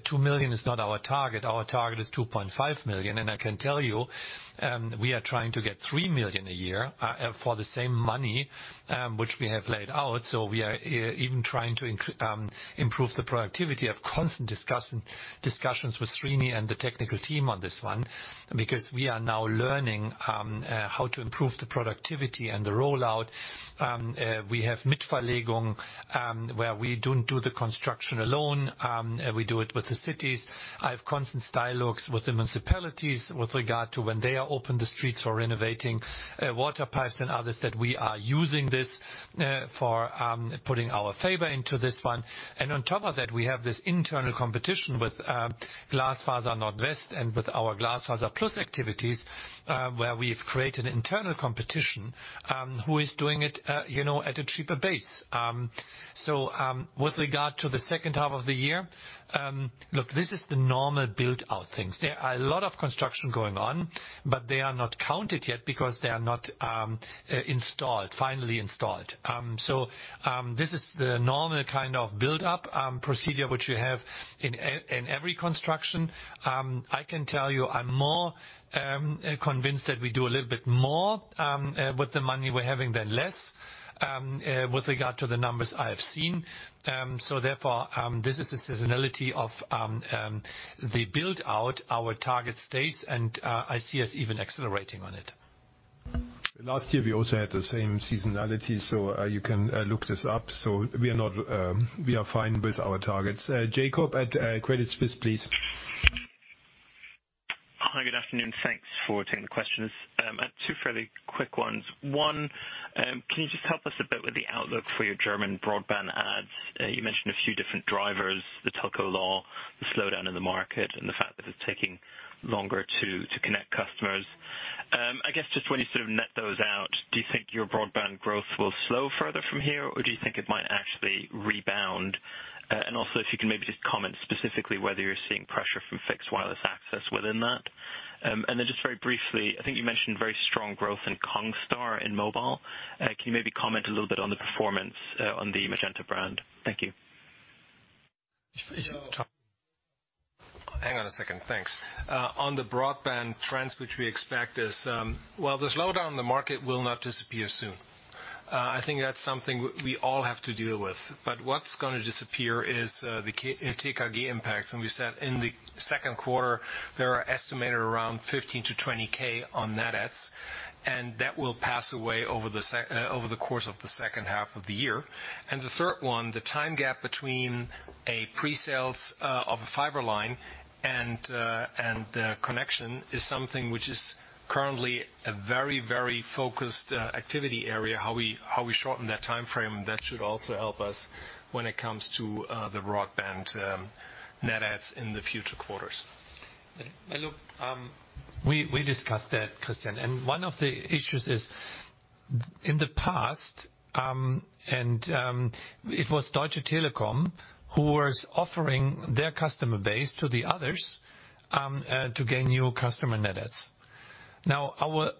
two million is not our target. Our target is 2.5 million. I can tell you, we are trying to get 3 million a year, for the same money, which we have laid out. We are even trying to improve the productivity. I have constant discussions with Srini and the technical team on this one because we are now learning how to improve the productivity and the rollout. We have Hi, good afternoon. Thanks for taking the questions. I have two fairly quick ones. One, can you just help us a bit with the outlook for your German broadband adds? You mentioned a few different drivers, the telco law, the slowdown in the market, and the fact that it's taking longer to connect customers. I guess just when you sort of net those out, do you think your broadband growth will slow further from here, or do you think it might actually rebound? Also if you can maybe just comment specifically whether you're seeing pressure from Fixed Wireless Access within that. Just very briefly, I think you mentioned very strong growth in Congstar in mobile. Can you maybe comment a little bit on the performance on the Magenta brand? Thank you. So- Hang on a second. Thanks. On the broadband trends which we expect is while the slowdown in the market will not disappear soon. I think that's something we all have to deal with. What's gonna disappear is the TKG impacts. We said in the second quarter, there are estimated around 15-20K on net adds, and that will pass away over the course of the second half of the year. The third one, the time gap between a pre-sales of a fiber line and the connection is something which is currently a very, very focused activity area, how we shorten that timeframe. That should also help us when it comes to the broadband net adds in the future quarters. Well, look, we discussed that, Christian Illek, and one of the issues is in the past, and it was Deutsche Telekom who was offering their customer base to the others to gain new customer net adds. Now, our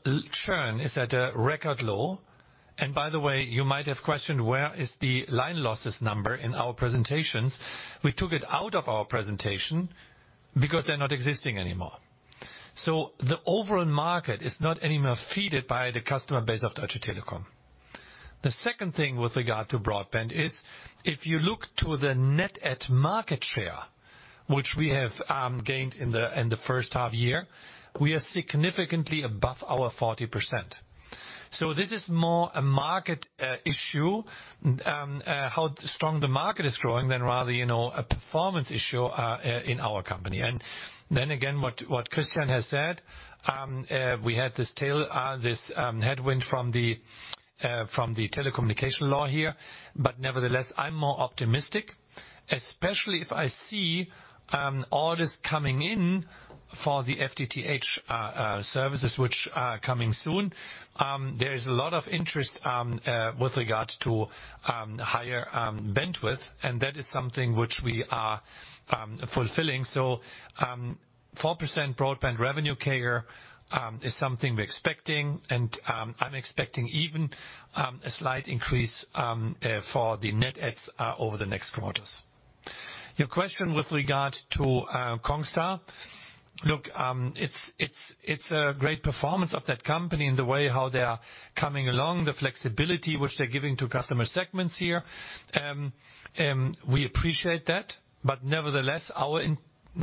churn is at a record low, and by the way, you might have questioned where is the line losses number in our presentations. We took it out of our presentation because they're not existing anymore. The overall market is not any more fed by the customer base of Deutsche Telekom. The second thing with regard to broadband is if you look to the net add market share, which we have gained in the first half year, we are significantly above our 40%. This is more a market issue, rather than, you know, a performance issue in our company. Then again, what Christian has said, we had this headwind from the telecommunication law here. Nevertheless, I'm more optimistic, especially if I see orders coming in for the FTTH services which are coming soon. There is a lot of interest with regard to higher bandwidth, and that is something which we are fulfilling. 4% broadband revenue carryover is something we're expecting, and I'm expecting even a slight increase for the net adds over the next quarters. Your question with regard to Congstar. Look, it's a great performance of that company in the way how they are coming along, the flexibility which they're giving to customer segments here. We appreciate that. Nevertheless, our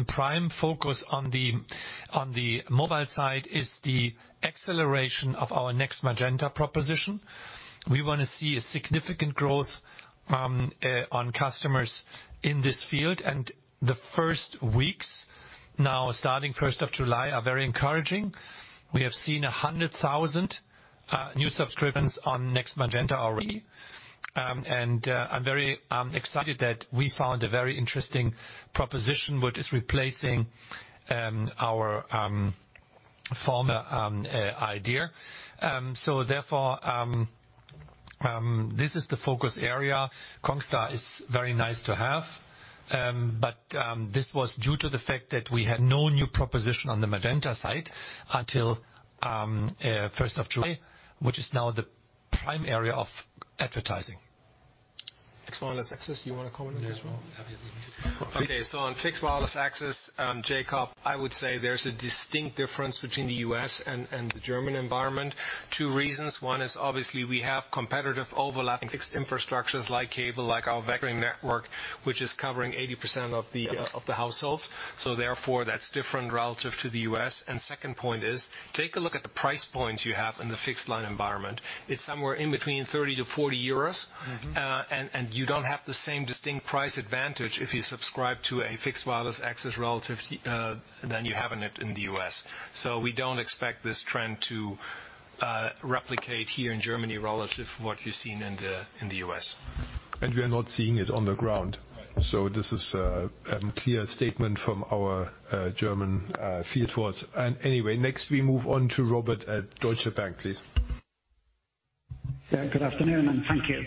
prime focus on the mobile side is the acceleration of our Next Magenta proposition. We wanna see a significant growth on customers in this field. The first weeks now starting first of July are very encouraging. We have seen 100,000 new subscribers on Next Magenta already. I'm very excited that we found a very interesting proposition, which is replacing our former idea. Therefore, this is the focus area. Congstar is very nice to have. This was due to the fact that we had no new proposition on the Magenta side until first of July, which is now the prime area of advertising. Fixed Wireless Access, do you wanna comment on this one? Yeah. Okay, on fixed wireless access, Jacob, I would say there's a distinct difference between the U.S. and the German environment. Two reasons. One is obviously we have competitive overlapping fixed infrastructures like cable, like our vectoring network, which is covering 80% of the- Yes. of the households. Therefore, that's different relative to the U.S. Second point is, take a look at the price points you have in the fixed line environment. It's somewhere in between 30-40 euros. Mm-hmm. You don't have the same distinct price advantage if you subscribe to a Fixed Wireless Access relative to you have in the U.S. We don't expect this trend to replicate here in Germany relative to what you're seeing in the U.S. We are not seeing it on the ground. Right. This is a clear statement from our German field force. Next we move on to Robert at Deutsche Bank, please. Yeah, good afternoon, and thank you.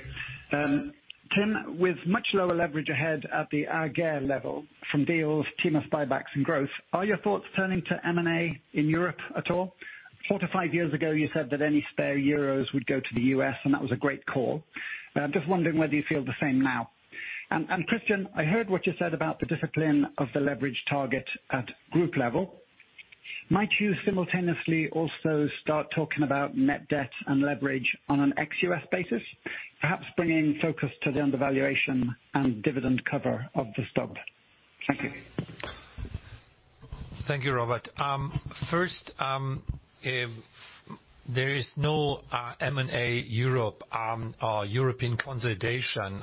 Tim, with much lower leverage ahead at the AG level from deals, T-Mobile's buybacks and growth, are your thoughts turning to M&A in Europe at all? 4-5 years ago, you said that any spare euros would go to the U.S., and that was a great call. Just wondering whether you feel the same now. Christian, I heard what you said about the discipline of the leverage target at group level. Might you simultaneously also start talking about net debt and leverage on an ex-US basis, perhaps bringing focus to the undervaluation and dividend cover of the stock? Thank you. Thank you, Robert. First, there is no M&A Europe or European consolidation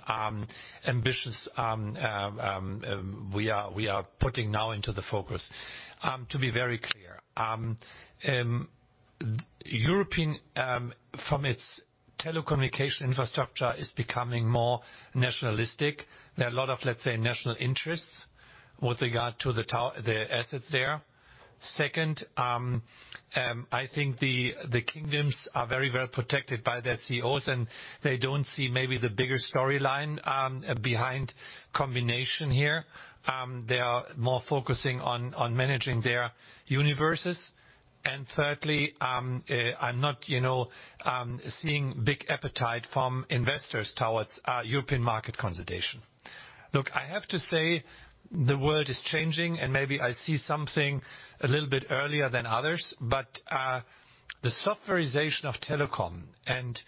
we are putting now into the focus to be very clear. Europe, in its telecommunications infrastructure is becoming more nationalistic. There are a lot of, let's say, national interests with regard to the assets there. Second, I think the kingdoms are very well protected by their CEOs, and they don't see maybe the bigger storyline behind combination here. They are more focusing on managing their universes. Thirdly, I'm not, you know, seeing big appetite from investors towards European market consolidation. Look, I have to say the world is changing, and maybe I see something a little bit earlier than others, but the softwarization of telecom and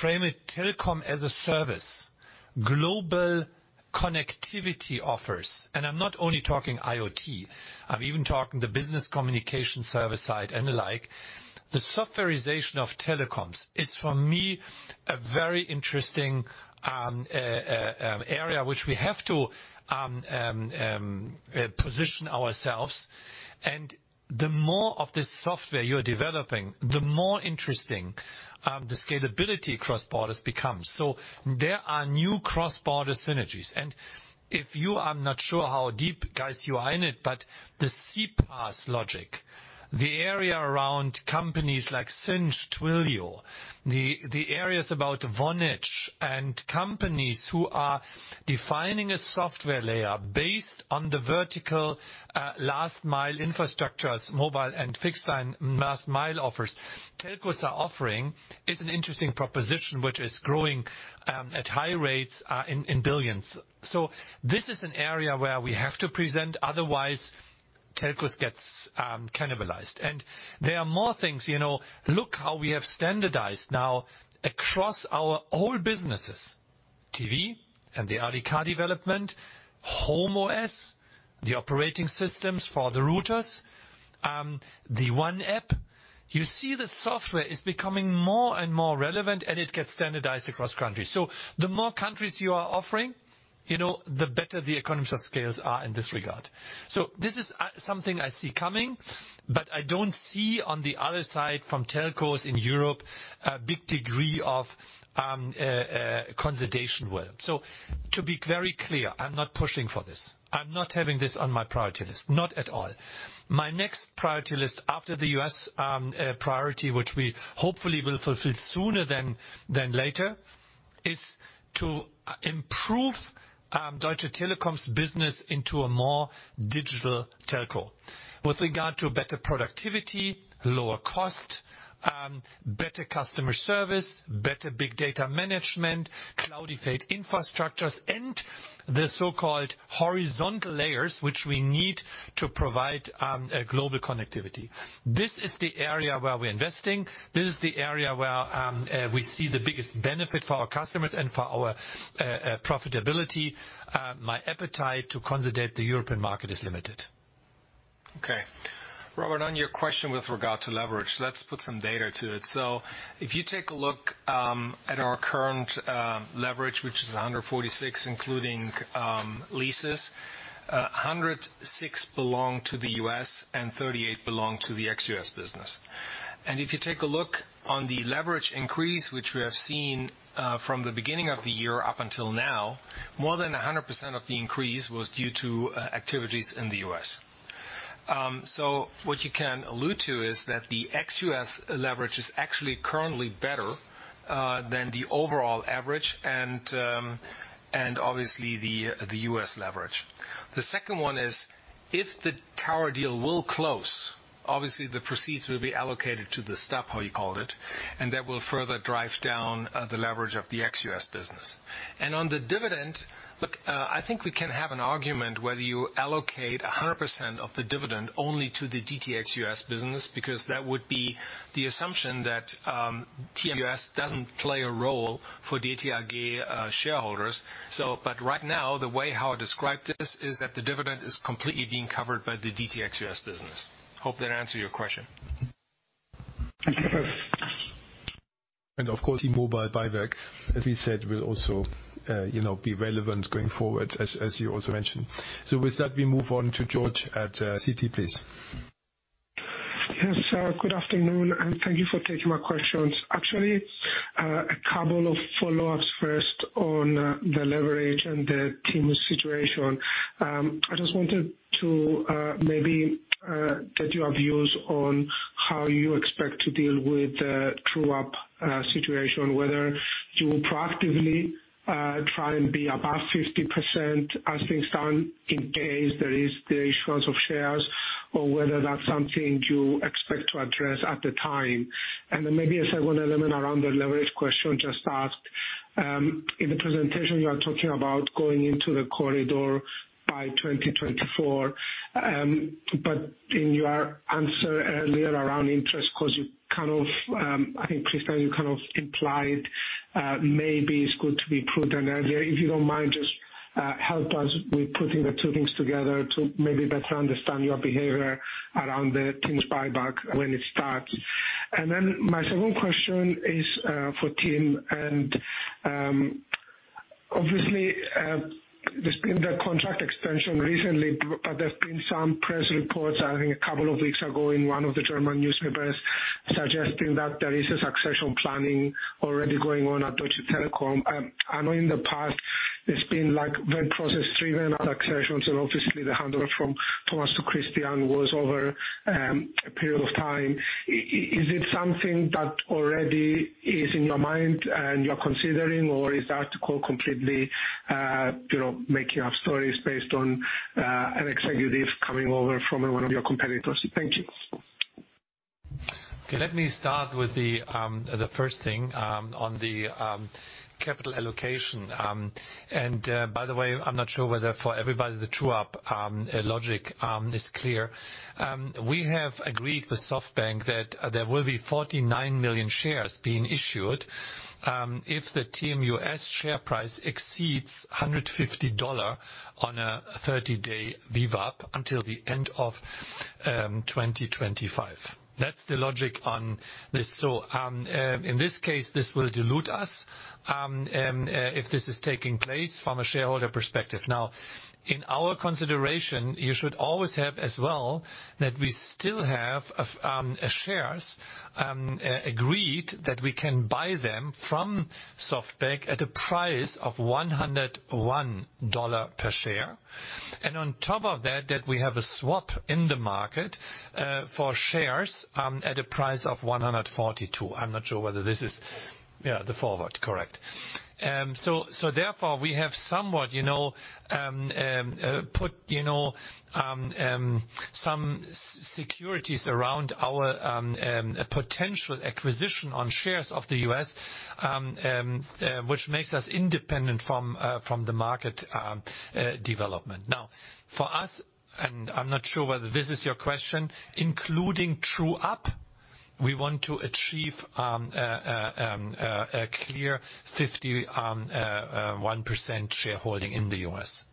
frame telecom as a service, global connectivity offers. I'm not only talking IoT, I'm even talking the business communication service side and the like. The softwarization of telecoms is, for me, a very interesting area which we have to position ourselves. The more of this software you're developing, the more interesting the cross-border scalability becomes. There are new cross-border synergies. If you are not sure how deep, guys, you are in it, but the CPaaS logic, the area around companies like Sinch, Twilio, the areas about Vonage and companies who are defining a software layer based on the vertical, last mile infrastructures, mobile and fixed line last mile offers telcos are offering is an interesting proposition which is growing at high rates in billions. This is an area where we have to present otherwise telcos gets cannibalized. There are more things, you know. Look how we have standardized now across our whole businesses. TV and the RDK development, HomeOS, the operating systems for the routers, the One App. You see the software is becoming more and more relevant, and it gets standardized across countries. The more countries you are offering, you know, the better the economies of scale are in this regard. This is something I see coming, but I don't see on the other side, from telcos in Europe, a big degree of consolidation work. To be very clear, I'm not pushing for this. I'm not having this on my priority list. Not at all. My next priority list after the U.S. priority, which we hopefully will fulfill sooner than later, is to improve Deutsche Telekom's business into a more digital telco with regard to better productivity, lower cost, better customer service, better big data management, cloudified infrastructures, and the so-called horizontal layers, which we need to provide global connectivity. This is the area where we're investing. This is the area where we see the biggest benefit for our customers and for our profitability. My appetite to consolidate the European market is limited. Okay. Robert, on your question with regard to leverage, let's put some data to it. If you take a look at our current leverage, which is 146, including leases, 106 belong to the U.S. and 38 belong to the ex-U.S. business. If you take a look on the leverage increase, which we have seen from the beginning of the year up until now, more than 100% of the increase was due to activities in the U.S. What you can allude to is that the ex-U.S. leverage is actually currently better than the overall average, and obviously the U.S. leverage. The second one is if the tower deal will close, obviously the proceeds will be allocated to the stub, how you called it, and that will further drive down the leverage of the ex-US business. On the dividend, look, I think we can have an argument whether you allocate 100% of the dividend only to the DT ex-US business, because that would be the assumption that T-Mobile US doesn't play a role for DT Group shareholders. Right now, the way how I described this is that the dividend is completely being covered by the DT ex-US business. Hope that answered your question. Of course, T-Mobile buyback, as he said, will also, you know, be relevant going forward as you also mentioned. With that, we move on to George at Citi, please. Yes. Good afternoon, and thank you for taking my questions. Actually, a couple of follow-ups first on the leverage and the team's situation. I just wanted to maybe get your views on how you expect to deal with the true-up situation, whether you will proactively try and be above 50% as things stand in case there is the issuance of shares or whether that's something you expect to address at the time. Maybe a second element around the leverage question just asked. In the presentation, you are talking about going into the corridor by 2024. In your answer earlier around interest cost, you kind of, I think, Christian, you kind of implied, maybe it's good to be prudent earlier. If you don't mind, just help us with putting the two things together to maybe better understand your behavior around the team's buyback when it starts. My second question is for Tim. Obviously, there's been the contract extension recently, but there's been some press reports, I think a couple of weeks ago in one of the German newspapers suggesting that there is a succession planning already going on at Deutsche Telekom. I know in the past it's been like very process-driven successions and obviously the handover from Thomas to Christian was over a period of time. Is it something that already is in your mind and you're considering, or is the article completely, you know, making up stories based on an executive coming over from one of your competitors? Thank you. Okay, let me start with the first thing on the capital allocation. By the way, I'm not sure whether for everybody the true up logic is clear. We have agreed with SoftBank that there will be 49 million shares being issued if the TMUS share price exceeds $150 on a 30-day VWAP until the end of 2025. That's the logic on this. In this case, this will dilute us if this is taking place from a shareholder perspective. Now, in our consideration, you should always have as well that we still have shares agreed that we can buy them from SoftBank at a price of $101 per share. On top of that, we have a swap in the market for shares at a price of 142. I'm not sure whether this is the forward. Correct. Therefore, we have somewhat, you know, put some securities around our potential acquisition on shares of the US, which makes us independent from the market development. Now, for us, I'm not sure whether this is your question, including true up, we want to achieve a clear 50.1% shareholding in the US.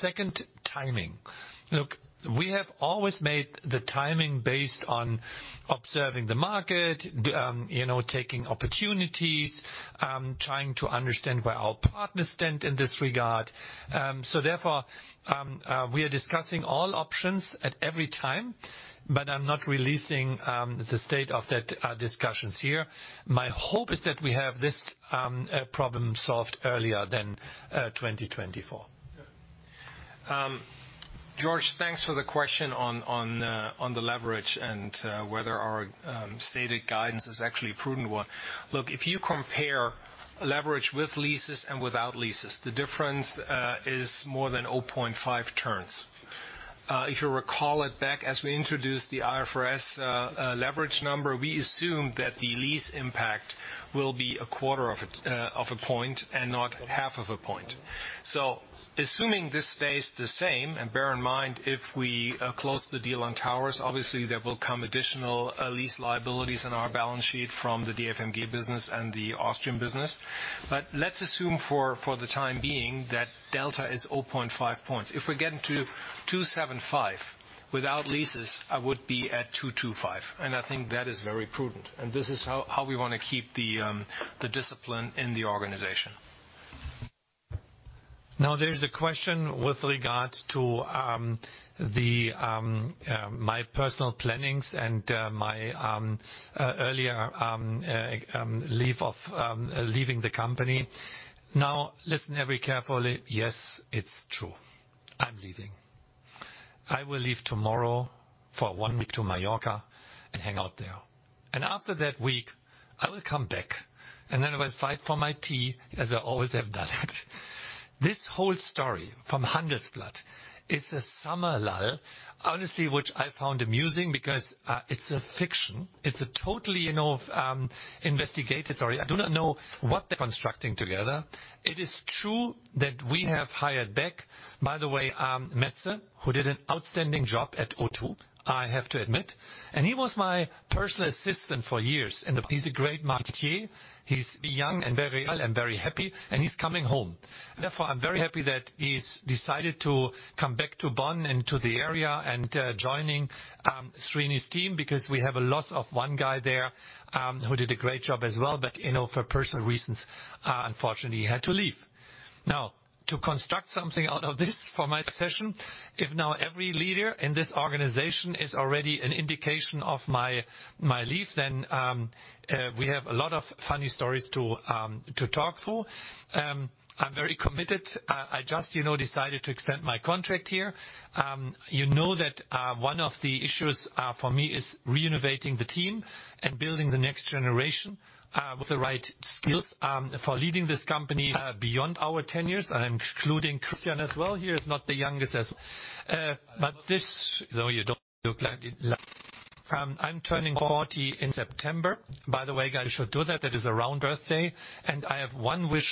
Second, timing. Look, we have always made the timing based on observing the market, you know, taking opportunities, trying to understand where our partners stand in this regard. Therefore, we are discussing all options at every time, but I'm not releasing the state of that discussions here. My hope is that we have this problem solved earlier than 2024. George, thanks for the question on the leverage and whether our stated guidance is actually a prudent one. Look, if you compare leverage with leases and without leases, the difference is more than 0.5 turns. If you recall it back as we introduced the IFRS leverage number, we assumed that the lease impact will be a quarter of a point and not half a point. Assuming this stays the same, and bear in mind if we close the deal on towers, obviously there will come additional lease liabilities on our balance sheet from the DFMG deal business and the Austrian business. Let's assume for the time being that delta is 0.5 points. If we get into 2.75 without leases, I would be at 2.25. I think that is very prudent. This is how we wanna keep the discipline in the organization. Now, there's a question with regard to my personal plannings and my earlier leave of leaving the company. Listen very carefully. Yes, it's true. I'm leaving. I will leave tomorrow for one week to Mallorca and hang out there. After that week, I will come back, and then I will fight for my team as I always have done. This whole story from Handelsblatt is a summer lull, honestly, which I found amusing because it's a fiction. It's a totally, you know, investigated story. I do not know what they're constructing together. It is true that we have hired back, by the way, Metze, who did an outstanding job at O2, I have to admit. He was my personal assistant for years, and he's a great marketer. He's young and very well and very happy, and he's coming home. Therefore, I'm very happy that he's decided to come back to Bonn and to the area and joining Srini's team because we have a loss of one guy there who did a great job as well, but you know for personal reasons unfortunately had to leave. Now, to construct something out of this for my succession, if now every leader in this organization is already an indication of my leave, then we have a lot of funny stories to talk through. I'm very committed. I just you know decided to extend my contract here. You know that one of the issues for me is renovating the team and building the next generation with the right skills for leading this company beyond our tenures. I'm including Christian as well here. But this, though you don't look like it, I'm turning 40 in September. By the way, guys should do that. That is a round birthday. I have one wish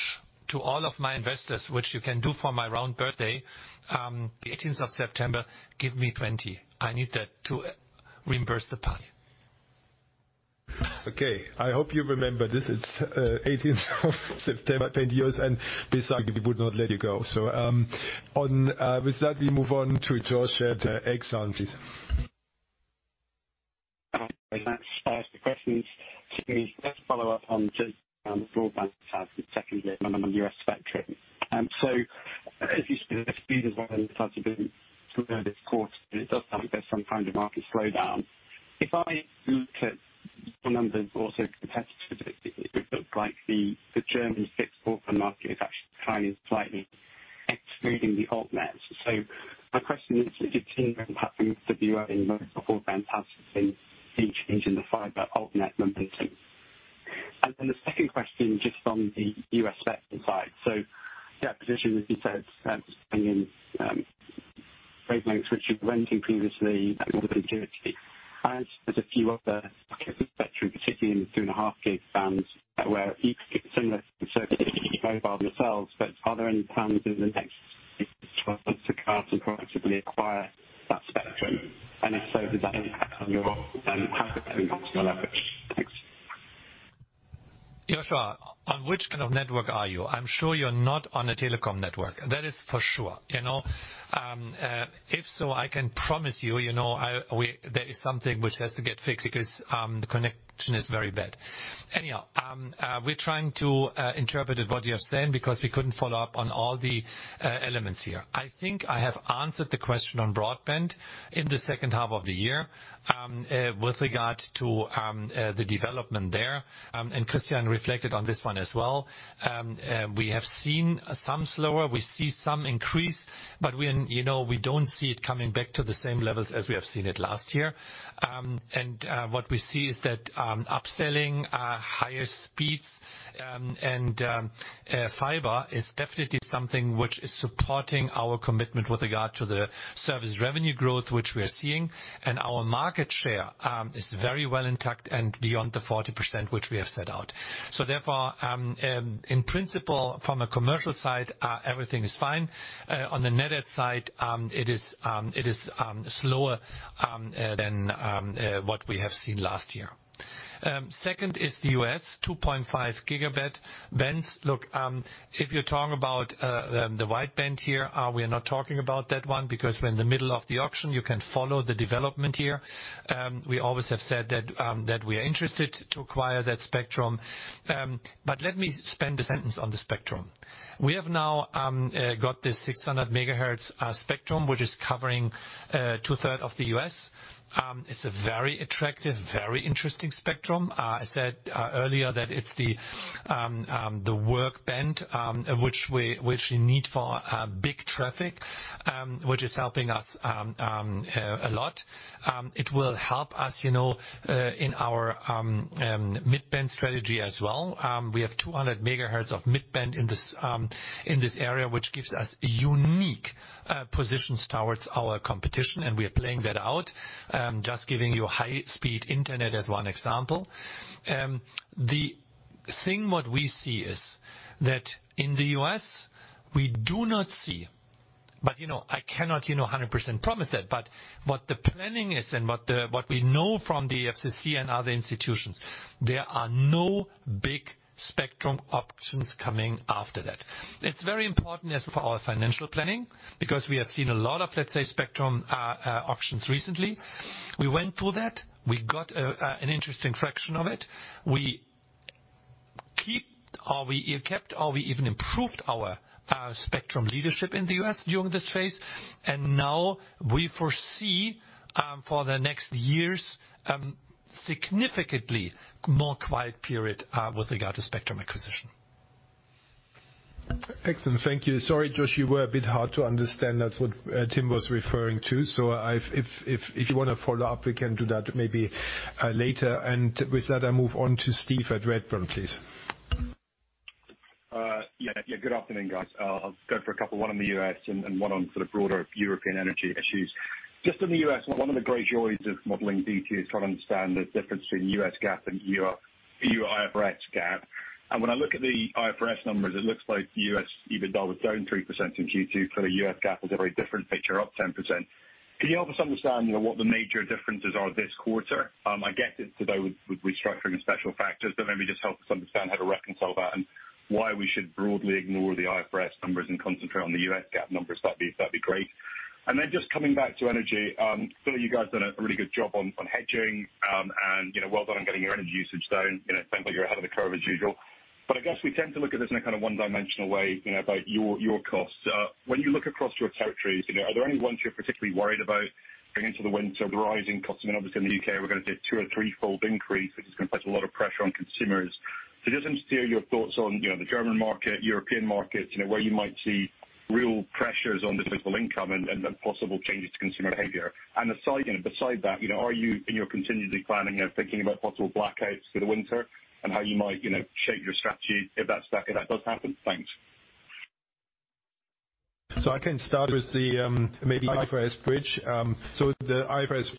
to all of my investors, which you can do for my round birthday, the eighteenth of September, give me 20. I need that to reimburse the party. Okay. I hope you remember this. It's eighteenth of September, 2020, and besides, we would not let you go. With that, we move on to George at Exane, please. Thanks very much for the questions. Just to follow up on the broadband talks, the second bit on the U.S. spectrum. If you The second question, just on the U.S. spectrum side. That position, as you said, bringing in wavelengths, which you mentioned previously. There's a few other spectrum, particularly in the 3.5 GHz bands where T-Mobile sells. But are there any plans in the next two to proactively acquire that spectrum? If so, does that impact on your commercial efforts? Thanks. Joshua, on which kind of network are you? I'm sure you're not on a telecom network. That is for sure. You know, if so, I can promise you know, that is something which has to get fixed because the connection is very bad. Anyhow, we're trying to interpret what you are saying because we couldn't follow up on all the elements here. I think I have answered the question on broadband in the second half of the year with regard to the development there. Christian reflected on this one as well. We have seen some slower, we see some increase, but we, you know, we don't see it coming back to the same levels as we have seen it last year. What we see is that upselling higher speeds and fiber is definitely something which is supporting our commitment with regard to the service revenue growth, which we are seeing. Our market share is very well intact and beyond the 40% which we have set out. In principle, from a commercial side, everything is fine. On the net add side, it is slower than what we have seen last year. Second is the U.S. 2.5 gigabit bands. Look, if you talk about the wideband here, we are not talking about that one because we're in the middle of the auction. You can follow the development here. We always have said that we are interested to acquire that spectrum. Let me spend a sentence on the spectrum. We have now got this 600 MHz spectrum, which is covering two-thirds of the U.S. It's a very attractive, very interesting spectrum. I said earlier that it's the low band which we need for big traffic which is helping us a lot. It will help us, you know, in our mid-band strategy as well. We have 200 MHz of mid-band in this area, which gives us unique positions towards our competition, and we are playing that out. Just giving you high speed internet as one example. The thing what we see is that in the U.S., we do not see. You know, I cannot, you know, 100% promise that. What the planning is and what we know from the FCC and other institutions, there are no big spectrum options coming after that. It's very important as per our financial planning, because we have seen a lot of, let's say, spectrum options recently. We went through that. We got an interesting fraction of it. We keep or we kept or we even improved our spectrum leadership in the U.S. during this phase. Now we foresee, for the next years, significantly more quiet period with regard to spectrum acquisition. Excellent. Thank you. Sorry, Josh, you were a bit hard to understand. That's what Tim was referring to. So if you wanna follow up, we can do that maybe later. With that, I move on to Steve at Redburn, please. Yeah, good afternoon, guys. I'll go for a couple, one on the U.S. and one on sort of broader European energy issues. Just in the U.S., one of the great joys of modeling DT is trying to understand the difference between U.S. GAAP and EU IFRS. When I look at the IFRS numbers, it looks like U.S. EBITDA was down 3% in Q2. Clearly, U.S. GAAP is a very different picture, up 10%. Can you help us understand, you know, what the major differences are this quarter? I get it to do with restructuring and special factors, but maybe just help us understand how to reconcile that and why we should broadly ignore the IFRS numbers and concentrate on the U.S. GAAP numbers. That'd be great. Just coming back to energy, clearly you guys done a really good job on hedging, and you know, well done on getting your energy usage down. You know, it sounds like you're ahead of the curve as usual. I guess we tend to look at this in a kind of one-dimensional way, you know, about your costs. When you look across your territories, you know, are there any ones you're particularly worried about going into the winter with rising costs? I mean, obviously in the UK, we're gonna see a 2- or threefold increase, which is gonna place a lot of pressure on consumers. Just steer your thoughts on, you know, the German market, European markets, you know, where you might see real pressures on disposable income and the possible changes to consumer behavior. Aside, you know, beside that, you know, are you in your contingency planning, you know, thinking about possible blackouts for the winter and how you might, you know, shape your strategy if that does happen? Thanks. I can start with the maybe IFRS bridge. The IFRS bridge,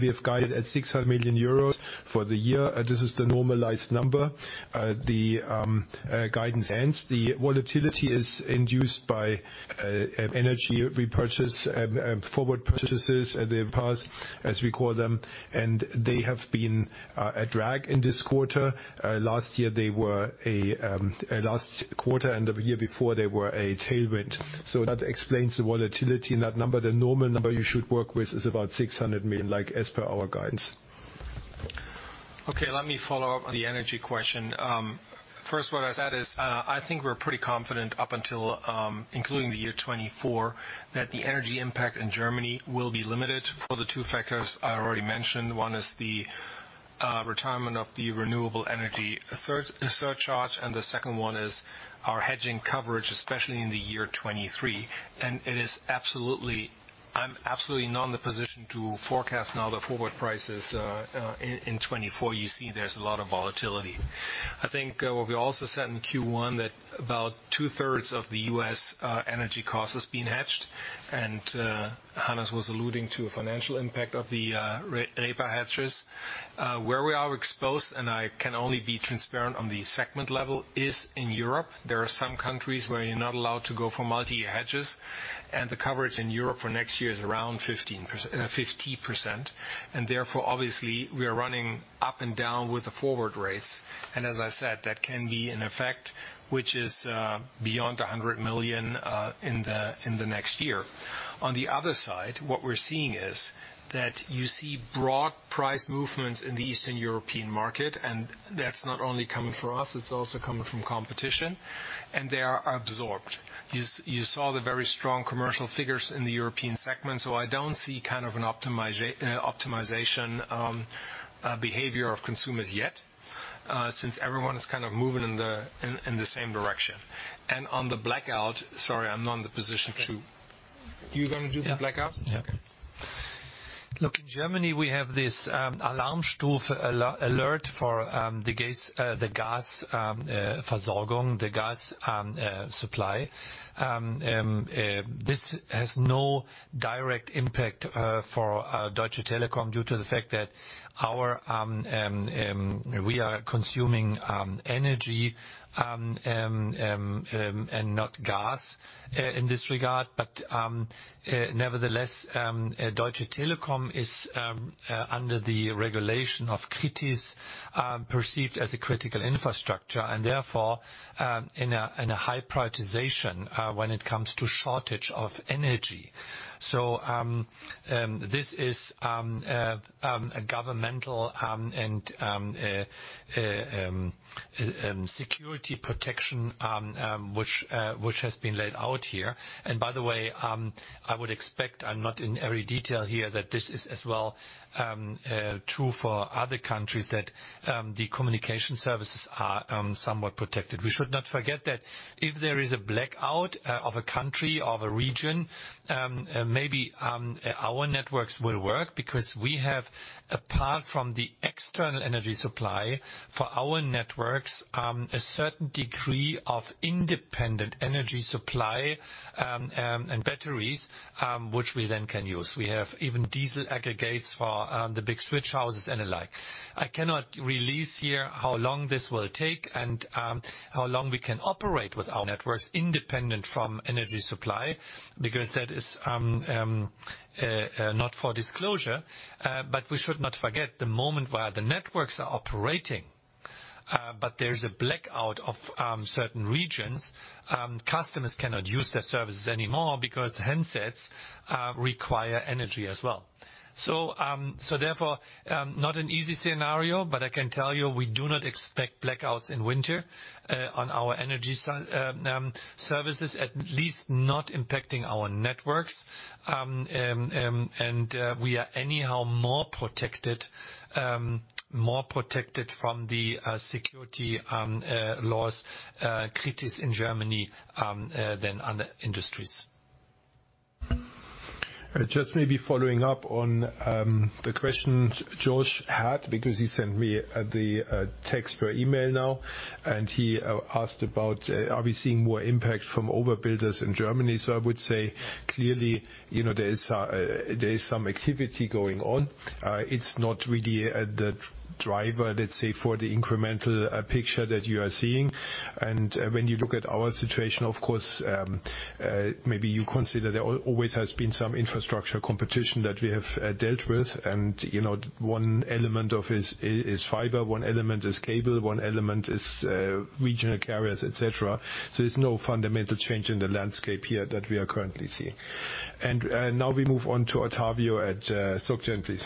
we have guided at 600 million euros for the year. This is the normalized number. The guidance and the volatility is induced by energy repo, forward purchases in the past, as we call them, and they have been a drag in this quarter. Last year, last quarter, and the year before they were a tailwind. That explains the volatility in that number. The normal number you should work with is about 600 million, like as per our guidance. Okay, let me follow up on the energy question. First what I said is, I think we're pretty confident up until, including the year 2024, that the energy impact in Germany will be limited for the two factors I already mentioned. One is the Retirement of the renewable energy EEG surcharge. The second one is our hedging coverage, especially in the year 2023. I'm absolutely not in the position to forecast now the forward prices in 2024. You see there's a lot of volatility. I think what we also said in Q1 that about two-thirds of the U.S. energy cost has been hedged. Hannes was alluding to a financial impact of the repo hedges. Where we are exposed, and I can only be transparent on the segment level, is in Europe. There are some countries where you're not allowed to go for multi-year hedges, and the coverage in Europe for next year is around 15%-50%. Therefore, obviously, we are running up and down with the forward rates. As I said, that can be an effect which is beyond 100 million in the next year. On the other side, what we're seeing is that you see broad price movements in the Eastern European market, and that's not only coming from us, it's also coming from competition, and they are absorbed. You saw the very strong commercial figures in the European segment, so I don't see kind of an optimization behavior of consumers yet, since everyone is kind of moving in the same direction. On the blackout, sorry, I'm not in the position to. You're gonna do the blackout? Yeah. Okay. Look, in Germany, we have this Alarmstufe Alarm for the gas Versorgung, the gas supply. This has no direct impact for Deutsche Telekom due to the fact that as we are consuming energy and not gas in this regard. Nevertheless, Deutsche Telekom is under the regulation of KRITIS perceived as a critical infrastructure and therefore in a high prioritization when it comes to shortage of energy. This is a governmental and security protection which has been laid out here. By the way, I would expect, I'm not in every detail here, that this is as well true for other countries, that the communication services are somewhat protected. We should not forget that if there is a blackout of a country, of a region, maybe our networks will work because we have, apart from the external energy supply for our networks, a certain degree of independent energy supply and batteries, which we then can use. We have even diesel aggregates for the big switch houses and the like. I cannot release here how long this will take and how long we can operate with our networks independent from energy supply, because that is not for disclosure. We should not forget the moment where the networks are operating, but there's a blackout of certain regions. Customers cannot use their services anymore because handsets require energy as well. Therefore, not an easy scenario, but I can tell you we do not expect blackouts in winter on our energy services, at least not impacting our networks. We are anyhow more protected from the security laws, KRITIS in Germany, than other industries. Just maybe following up on the questions George had because he sent me the text per email now. He asked about, are we seeing more impact from overbuilders in Germany? I would say, clearly, you know, there is some activity going on. It's not really the driver, let's say, for the incremental picture that you are seeing. When you look at our situation, of course, maybe you consider there always has been some infrastructure competition that we have dealt with. One element is fiber, one element is cable, one element is regional carriers, et cetera. There's no fundamental change in the landscape here that we are currently seeing. Now we move on to Ottavio at SocGen, please.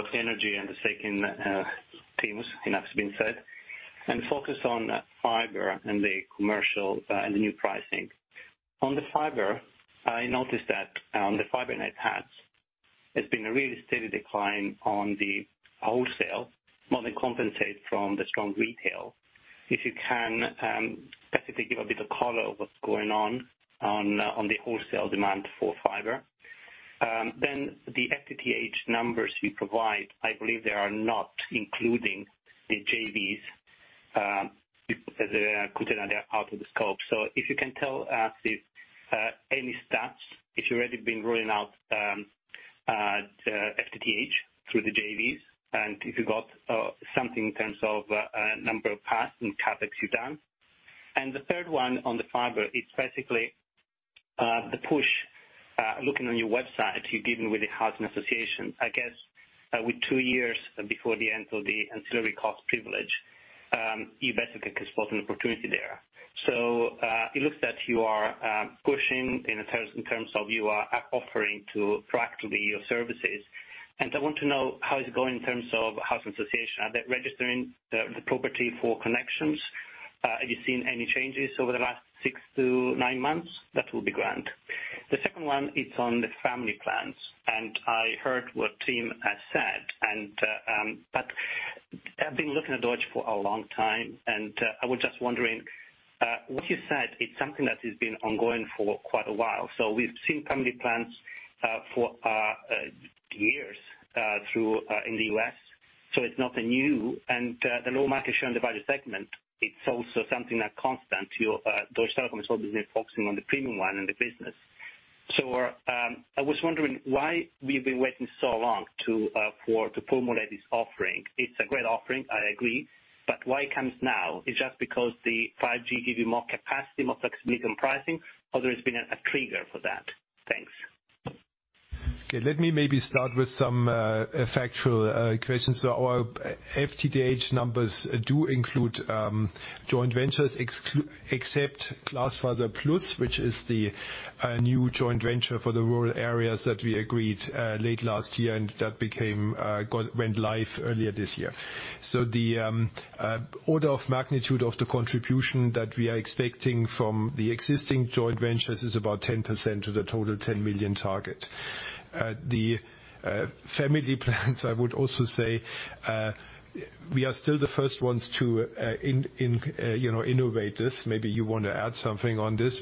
I would avoid the energy and the second themes. Enough has been said. Focus on fiber and the commercial and the new pricing. On the fiber, I noticed that on the fiber net passed, there's been a really steady decline on the wholesale, more than compensate from the strong retail. If you can specifically give a bit of color of what's going on on the wholesale demand for fiber. Then the FTTH numbers you provide, I believe they are not including the JVs as they are out of the scope. If you can tell us if any stats, if you've already been rolling out the FTTH through the JVs, and if you got something in terms of number of passed and CapEx you've done. The third one on the fiber is basically the push, looking on your website, you've given with the housing association. I guess, with 2 years before the end of the ancillary cost privilege, you basically could spot an opportunity there. It looks that you are pushing in terms of you are offering practically your services. I want to know how it's going in terms of housing association. Are they registering the property for connections? Have you seen any changes over the last 6-9 months? That will be grand. The second one, it's on the family plans. I heard what Tim has said, but I've been looking at Deutsche for a long time. I was just wondering what you said, it's something that has been ongoing for quite a while. We've seen family plans for years in the US, so it's not new. The low market share in the value segment, it's also something that's constant. Your Deutsche Telekom is always been focusing on the premium one in the business. I was wondering why we've been waiting so long to formulate this offering. It's a great offering, I agree. Why it comes now? Is just because the 5G give you more capacity, more flexibility in pricing, or there's been a trigger for that? Thanks. Okay. Let me maybe start with some factual questions. Our FTTH numbers do include joint ventures, except GlasfaserPlus, which is the new joint venture for the rural areas that we agreed late last year, and that went live earlier this year. The order of magnitude of the contribution that we are expecting from the existing joint ventures is about 10% of the total 10 million target. The family plans, I would also say, we are still the first ones to innovate this. Maybe you wanna add something on this.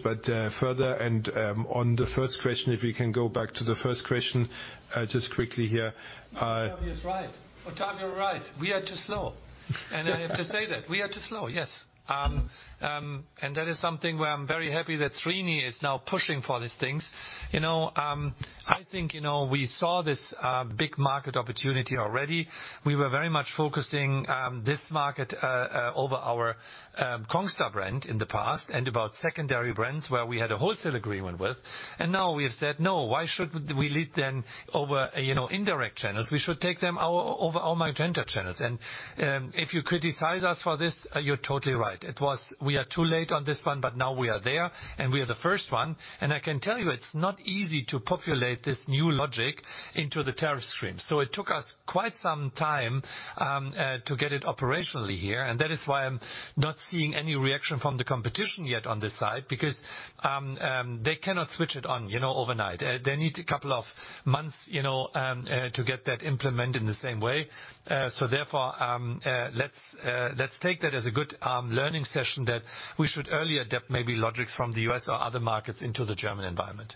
Further on the first question, if we can go back to the first question just quickly here. Ottavio's right. Ottavio, you're right. We are too slow. I have to say that. We are too slow, yes. That is something where I'm very happy that Srini is now pushing for these things. You know, I think, you know, we saw this big market opportunity already. We were very much focusing this market over our Congstar brand in the past and about secondary brands where we had a wholesale agreement with. Now we have said, "No, why should we lead them over, you know, indirect channels? We should take them over our Magenta channels." If you criticize us for this, you're totally right. We are too late on this one, but now we are there, and we are the first one. I can tell you, it's not easy to populate this new logic into the tariff stream. It took us quite some time to get it operationally here. That is why I'm not seeing any reaction from the competition yet on this side because they cannot switch it on, you know, overnight. They need a couple of months, you know, to get that implemented in the same way. Therefore, let's take that as a good learning session that we should earlier adapt maybe logics from the US or other markets into the German environment.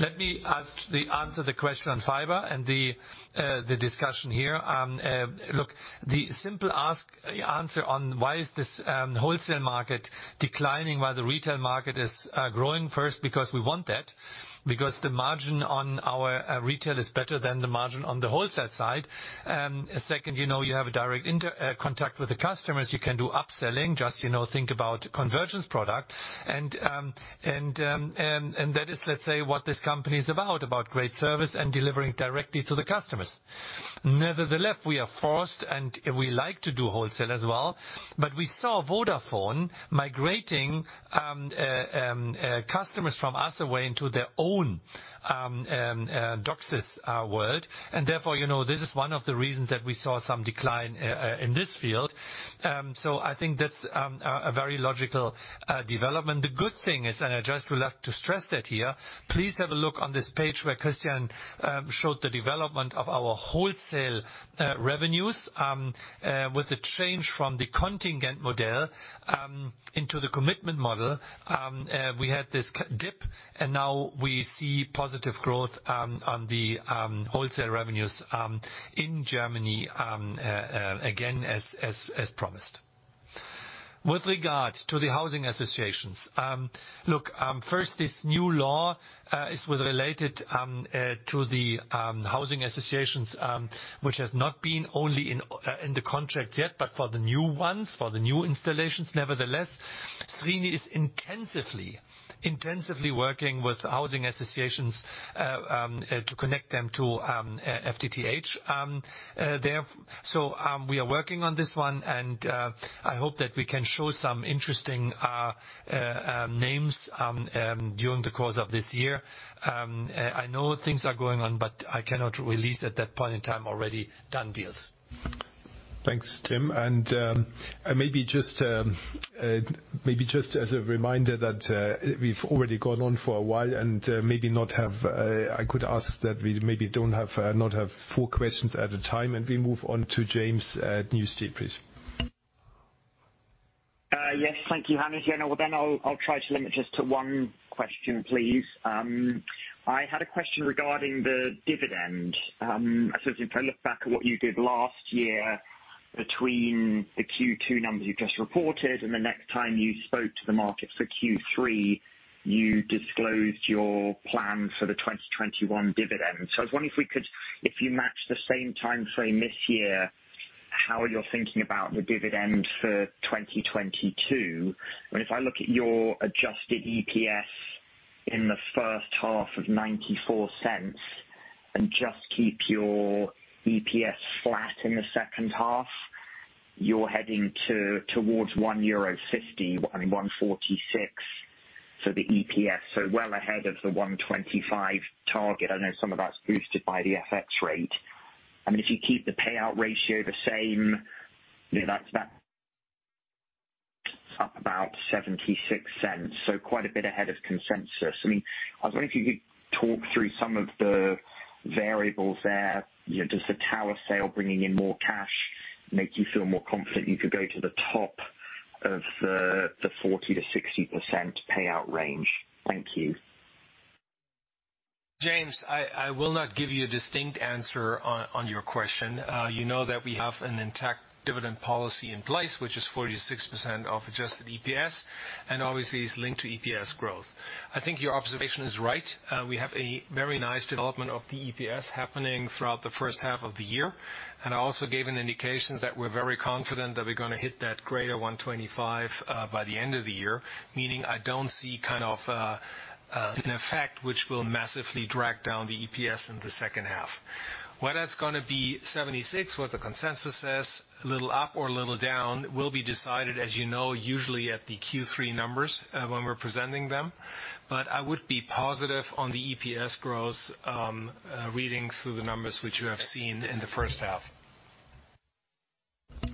Let me answer the question on fiber and the discussion here. Look, the simple answer on why is this wholesale market declining while the retail market is growing. First, because we want that. Because the margin on our retail is better than the margin on the wholesale side. Second, you know, you have a direct interaction with the customers. You can do upselling, just, you know, think about convergence product. That is, let's say, what this company is about great service and delivering directly to the customers. Nevertheless, we are forced and we like to do wholesale as well. We saw Vodafone migrating customers from us away into their own DOCSIS world. Therefore, you know, this is one of the reasons that we saw some decline in this field. I think that's a very logical development. The good thing is, I'd just like to stress that here, please have a look on this page where Christian showed the development of our wholesale revenues. With the change from the contingent model into the commitment model, we had this dip, and now we see positive growth on the wholesale revenues in Germany again, as promised. With regard to the housing associations. Look, first, this new law is related to the housing associations, which has not been only in the contract yet, but for the new ones, for the new installations. Nevertheless, Srini is intensively working with housing associations to connect them to FTTH. We are working on this one, and I hope that we can show some interesting names during the course of this year. I know things are going on, but I cannot release at that point in time already done deals. Thanks, Tim. Maybe just as a reminder that we've already gone on for a while. I could ask that we maybe don't have four questions at a time, and we move on to James Ratzer at New Street Research, please. Thank you, Hannes. I'll try to limit just to one question, please. I had a question regarding the dividend. I suppose if I look back at what you did last year between the Q2 numbers you've just reported and the next time you spoke to the market for Q3, you disclosed your plan for the 2021 dividend. I was wondering if you match the same timeframe this year, how you're thinking about the dividend for 2022. I mean, if I look at your adjusted EPS in the first half of €0.94 and just keep your EPS flat in the second half You're heading towards 1.50 euro, I mean, 1.46 for the EPS, so well ahead of the 1.25 target. I know some of that's boosted by the FX rate. I mean, if you keep the payout ratio the same, you know that's up about 0.76, so quite a bit ahead of consensus. I mean, I was wondering if you could talk through some of the variables there. You know, does the tower sale bringing in more cash make you feel more confident you could go to the top of the 40%-60% payout range? Thank you. James, I will not give you a distinct answer on your question. You know, that we have an intact dividend policy in place, which is 46% of adjusted EPS, and obviously, it's linked to EPS growth. I think your observation is right. We have a very nice development of the EPS happening throughout the first half of the year, and I also gave an indication that we're very confident that we're gonna hit that greater 125 by the end of the year, meaning I don't see kind of an effect which will massively drag down the EPS in the second half. Whether it's gonna be 76, what the consensus says, a little up or a little down, will be decided, as you know, usually at the Q3 numbers when we're presenting them. I would be positive on the EPS growth, readings through the numbers which you have seen in the first half.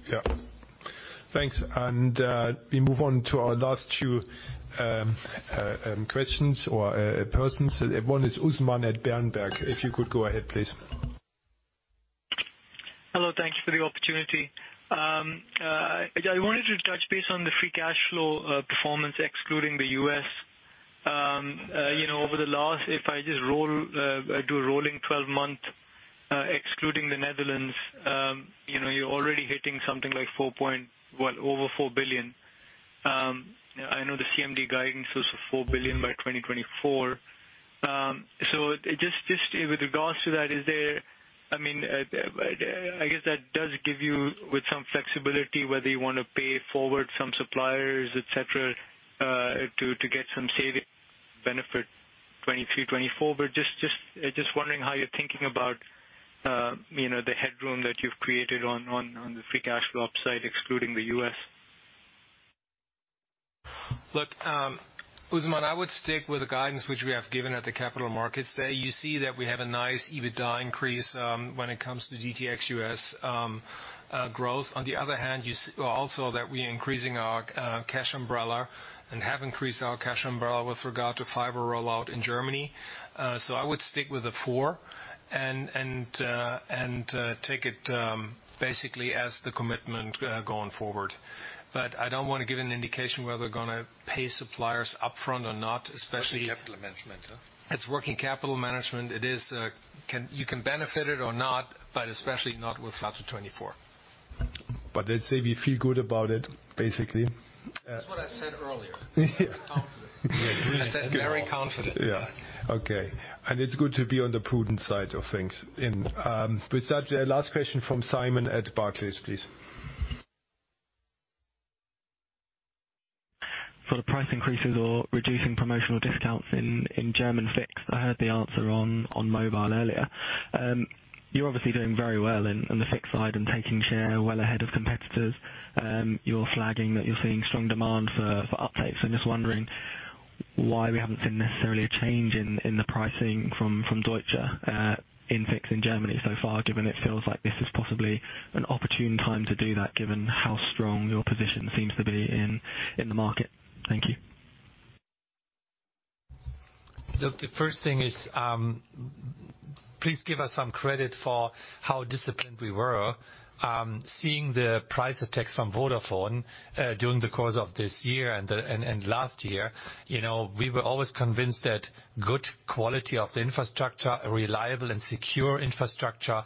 Yeah. Thanks. We move on to our last two questions or persons. One is Usman at Berenberg. If you could go ahead, please. Hello. Thank you for the opportunity. I wanted to touch base on the free cash flow performance excluding the U.S. You know, over the last, if I just do rolling twelve-month excluding the Netherlands, you know, you're already hitting something like 4 billion. Well, over 4 billion. I know the CMD guidance was for 4 billion by 2024. Just with regards to that. I mean, I guess that does give you with some flexibility whether you wanna pay forward some suppliers, et cetera, to get some saving benefit 2023, 2024. Just wondering how you're thinking about, you know, the headroom that you've created on the free cash flow upside excluding the U.S. Look, Usman, I would stick with the guidance which we have given at the capital markets. There you see that we have a nice EBITDA increase, when it comes to DT ex-US growth. On the other hand, you see also that we are increasing our cash umbrella and have increased our cash umbrella with regard to fiber rollout in Germany. I would stick with the four and take it basically as the commitment going forward. I don't wanna give an indication whether we're gonna pay suppliers upfront or not, especially. Working capital management, huh? It's working capital management. It is. You can benefit it or not, but especially not with flat to 24. Let's say we feel good about it, basically. That's what I said earlier. Very confident. Yeah. I said very confident. Yeah. Okay. It's good to be on the prudent side of things. With that, the last question from Simon at Barclays, please. For the price increases or reducing promotional discounts in German fixed. I heard the answer on mobile earlier. You're obviously doing very well on the fixed side and taking share well ahead of competitors. You're flagging that you're seeing strong demand for updates. I'm just wondering why we haven't seen necessarily a change in the pricing from Deutsche in fixed in Germany so far, given it feels like this is possibly an opportune time to do that, given how strong your position seems to be in the market. Thank you. Look, the first thing is, please give us some credit for how disciplined we were, seeing the price attacks from Vodafone, during the course of this year and last year. You know, we were always convinced that good quality of the infrastructure, a reliable and secure infrastructure,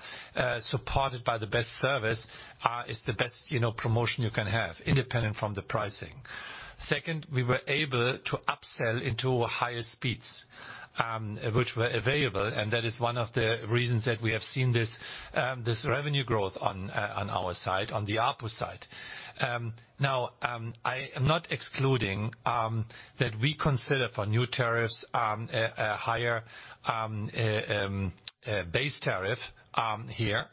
supported by the best service, is the best, you know, promotion you can have, independent from the pricing. Second, we were able to upsell into higher speeds, which were available, and that is one of the reasons that we have seen this revenue growth on our side, on the ARPU side. Now, I am not excluding that we consider for new tariffs a higher base tariff here.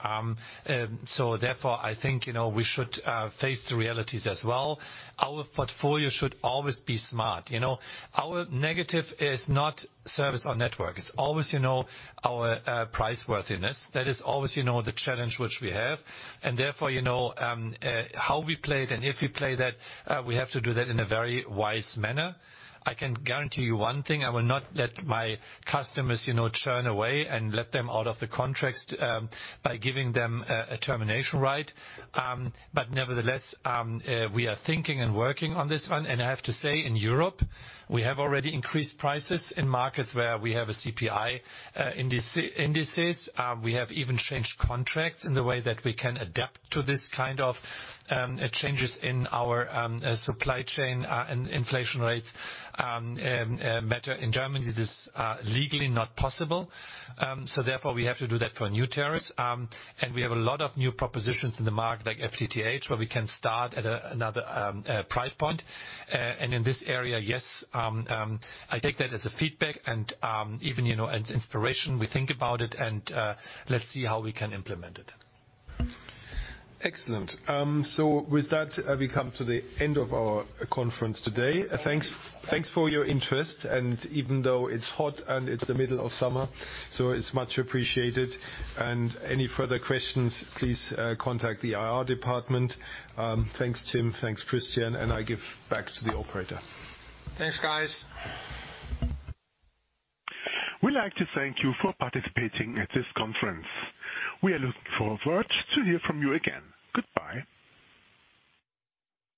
Therefore, I think, you know, we should face the realities as well. Our portfolio should always be smart. You know, our negative is not service or network. It's always, you know, our price worthiness. That is always, you know, the challenge which we have. Therefore, you know, how we play it and if we play that, we have to do that in a very wise manner. I can guarantee you one thing. I will not let my customers, you know, churn away and let them out of the contracts, by giving them a termination right. Nevertheless, we are thinking and working on this one. I have to say, in Europe, we have already increased prices in markets where we have a CPI indices. We have even changed contracts in the way that we can adapt to this kind of changes in our supply chain and inflation rates matter. In Germany, this is legally not possible. Therefore, we have to do that for new tariffs. We have a lot of new propositions in the market, like FTTH, where we can start at another price point. In this area, yes, I take that as a feedback and even, you know, as inspiration. We think about it and let's see how we can implement it. Excellent. With that, we come to the end of our conference today. Thanks for your interest. Even though it's hot and it's the middle of summer, so it's much appreciated. Any further questions, please, contact the IR department. Thanks, Tim. Thanks, Christian. I give back to the operator. Thanks, guys. We'd like to thank you for participating at this conference. We are looking forward to hear from you again. Goodbye.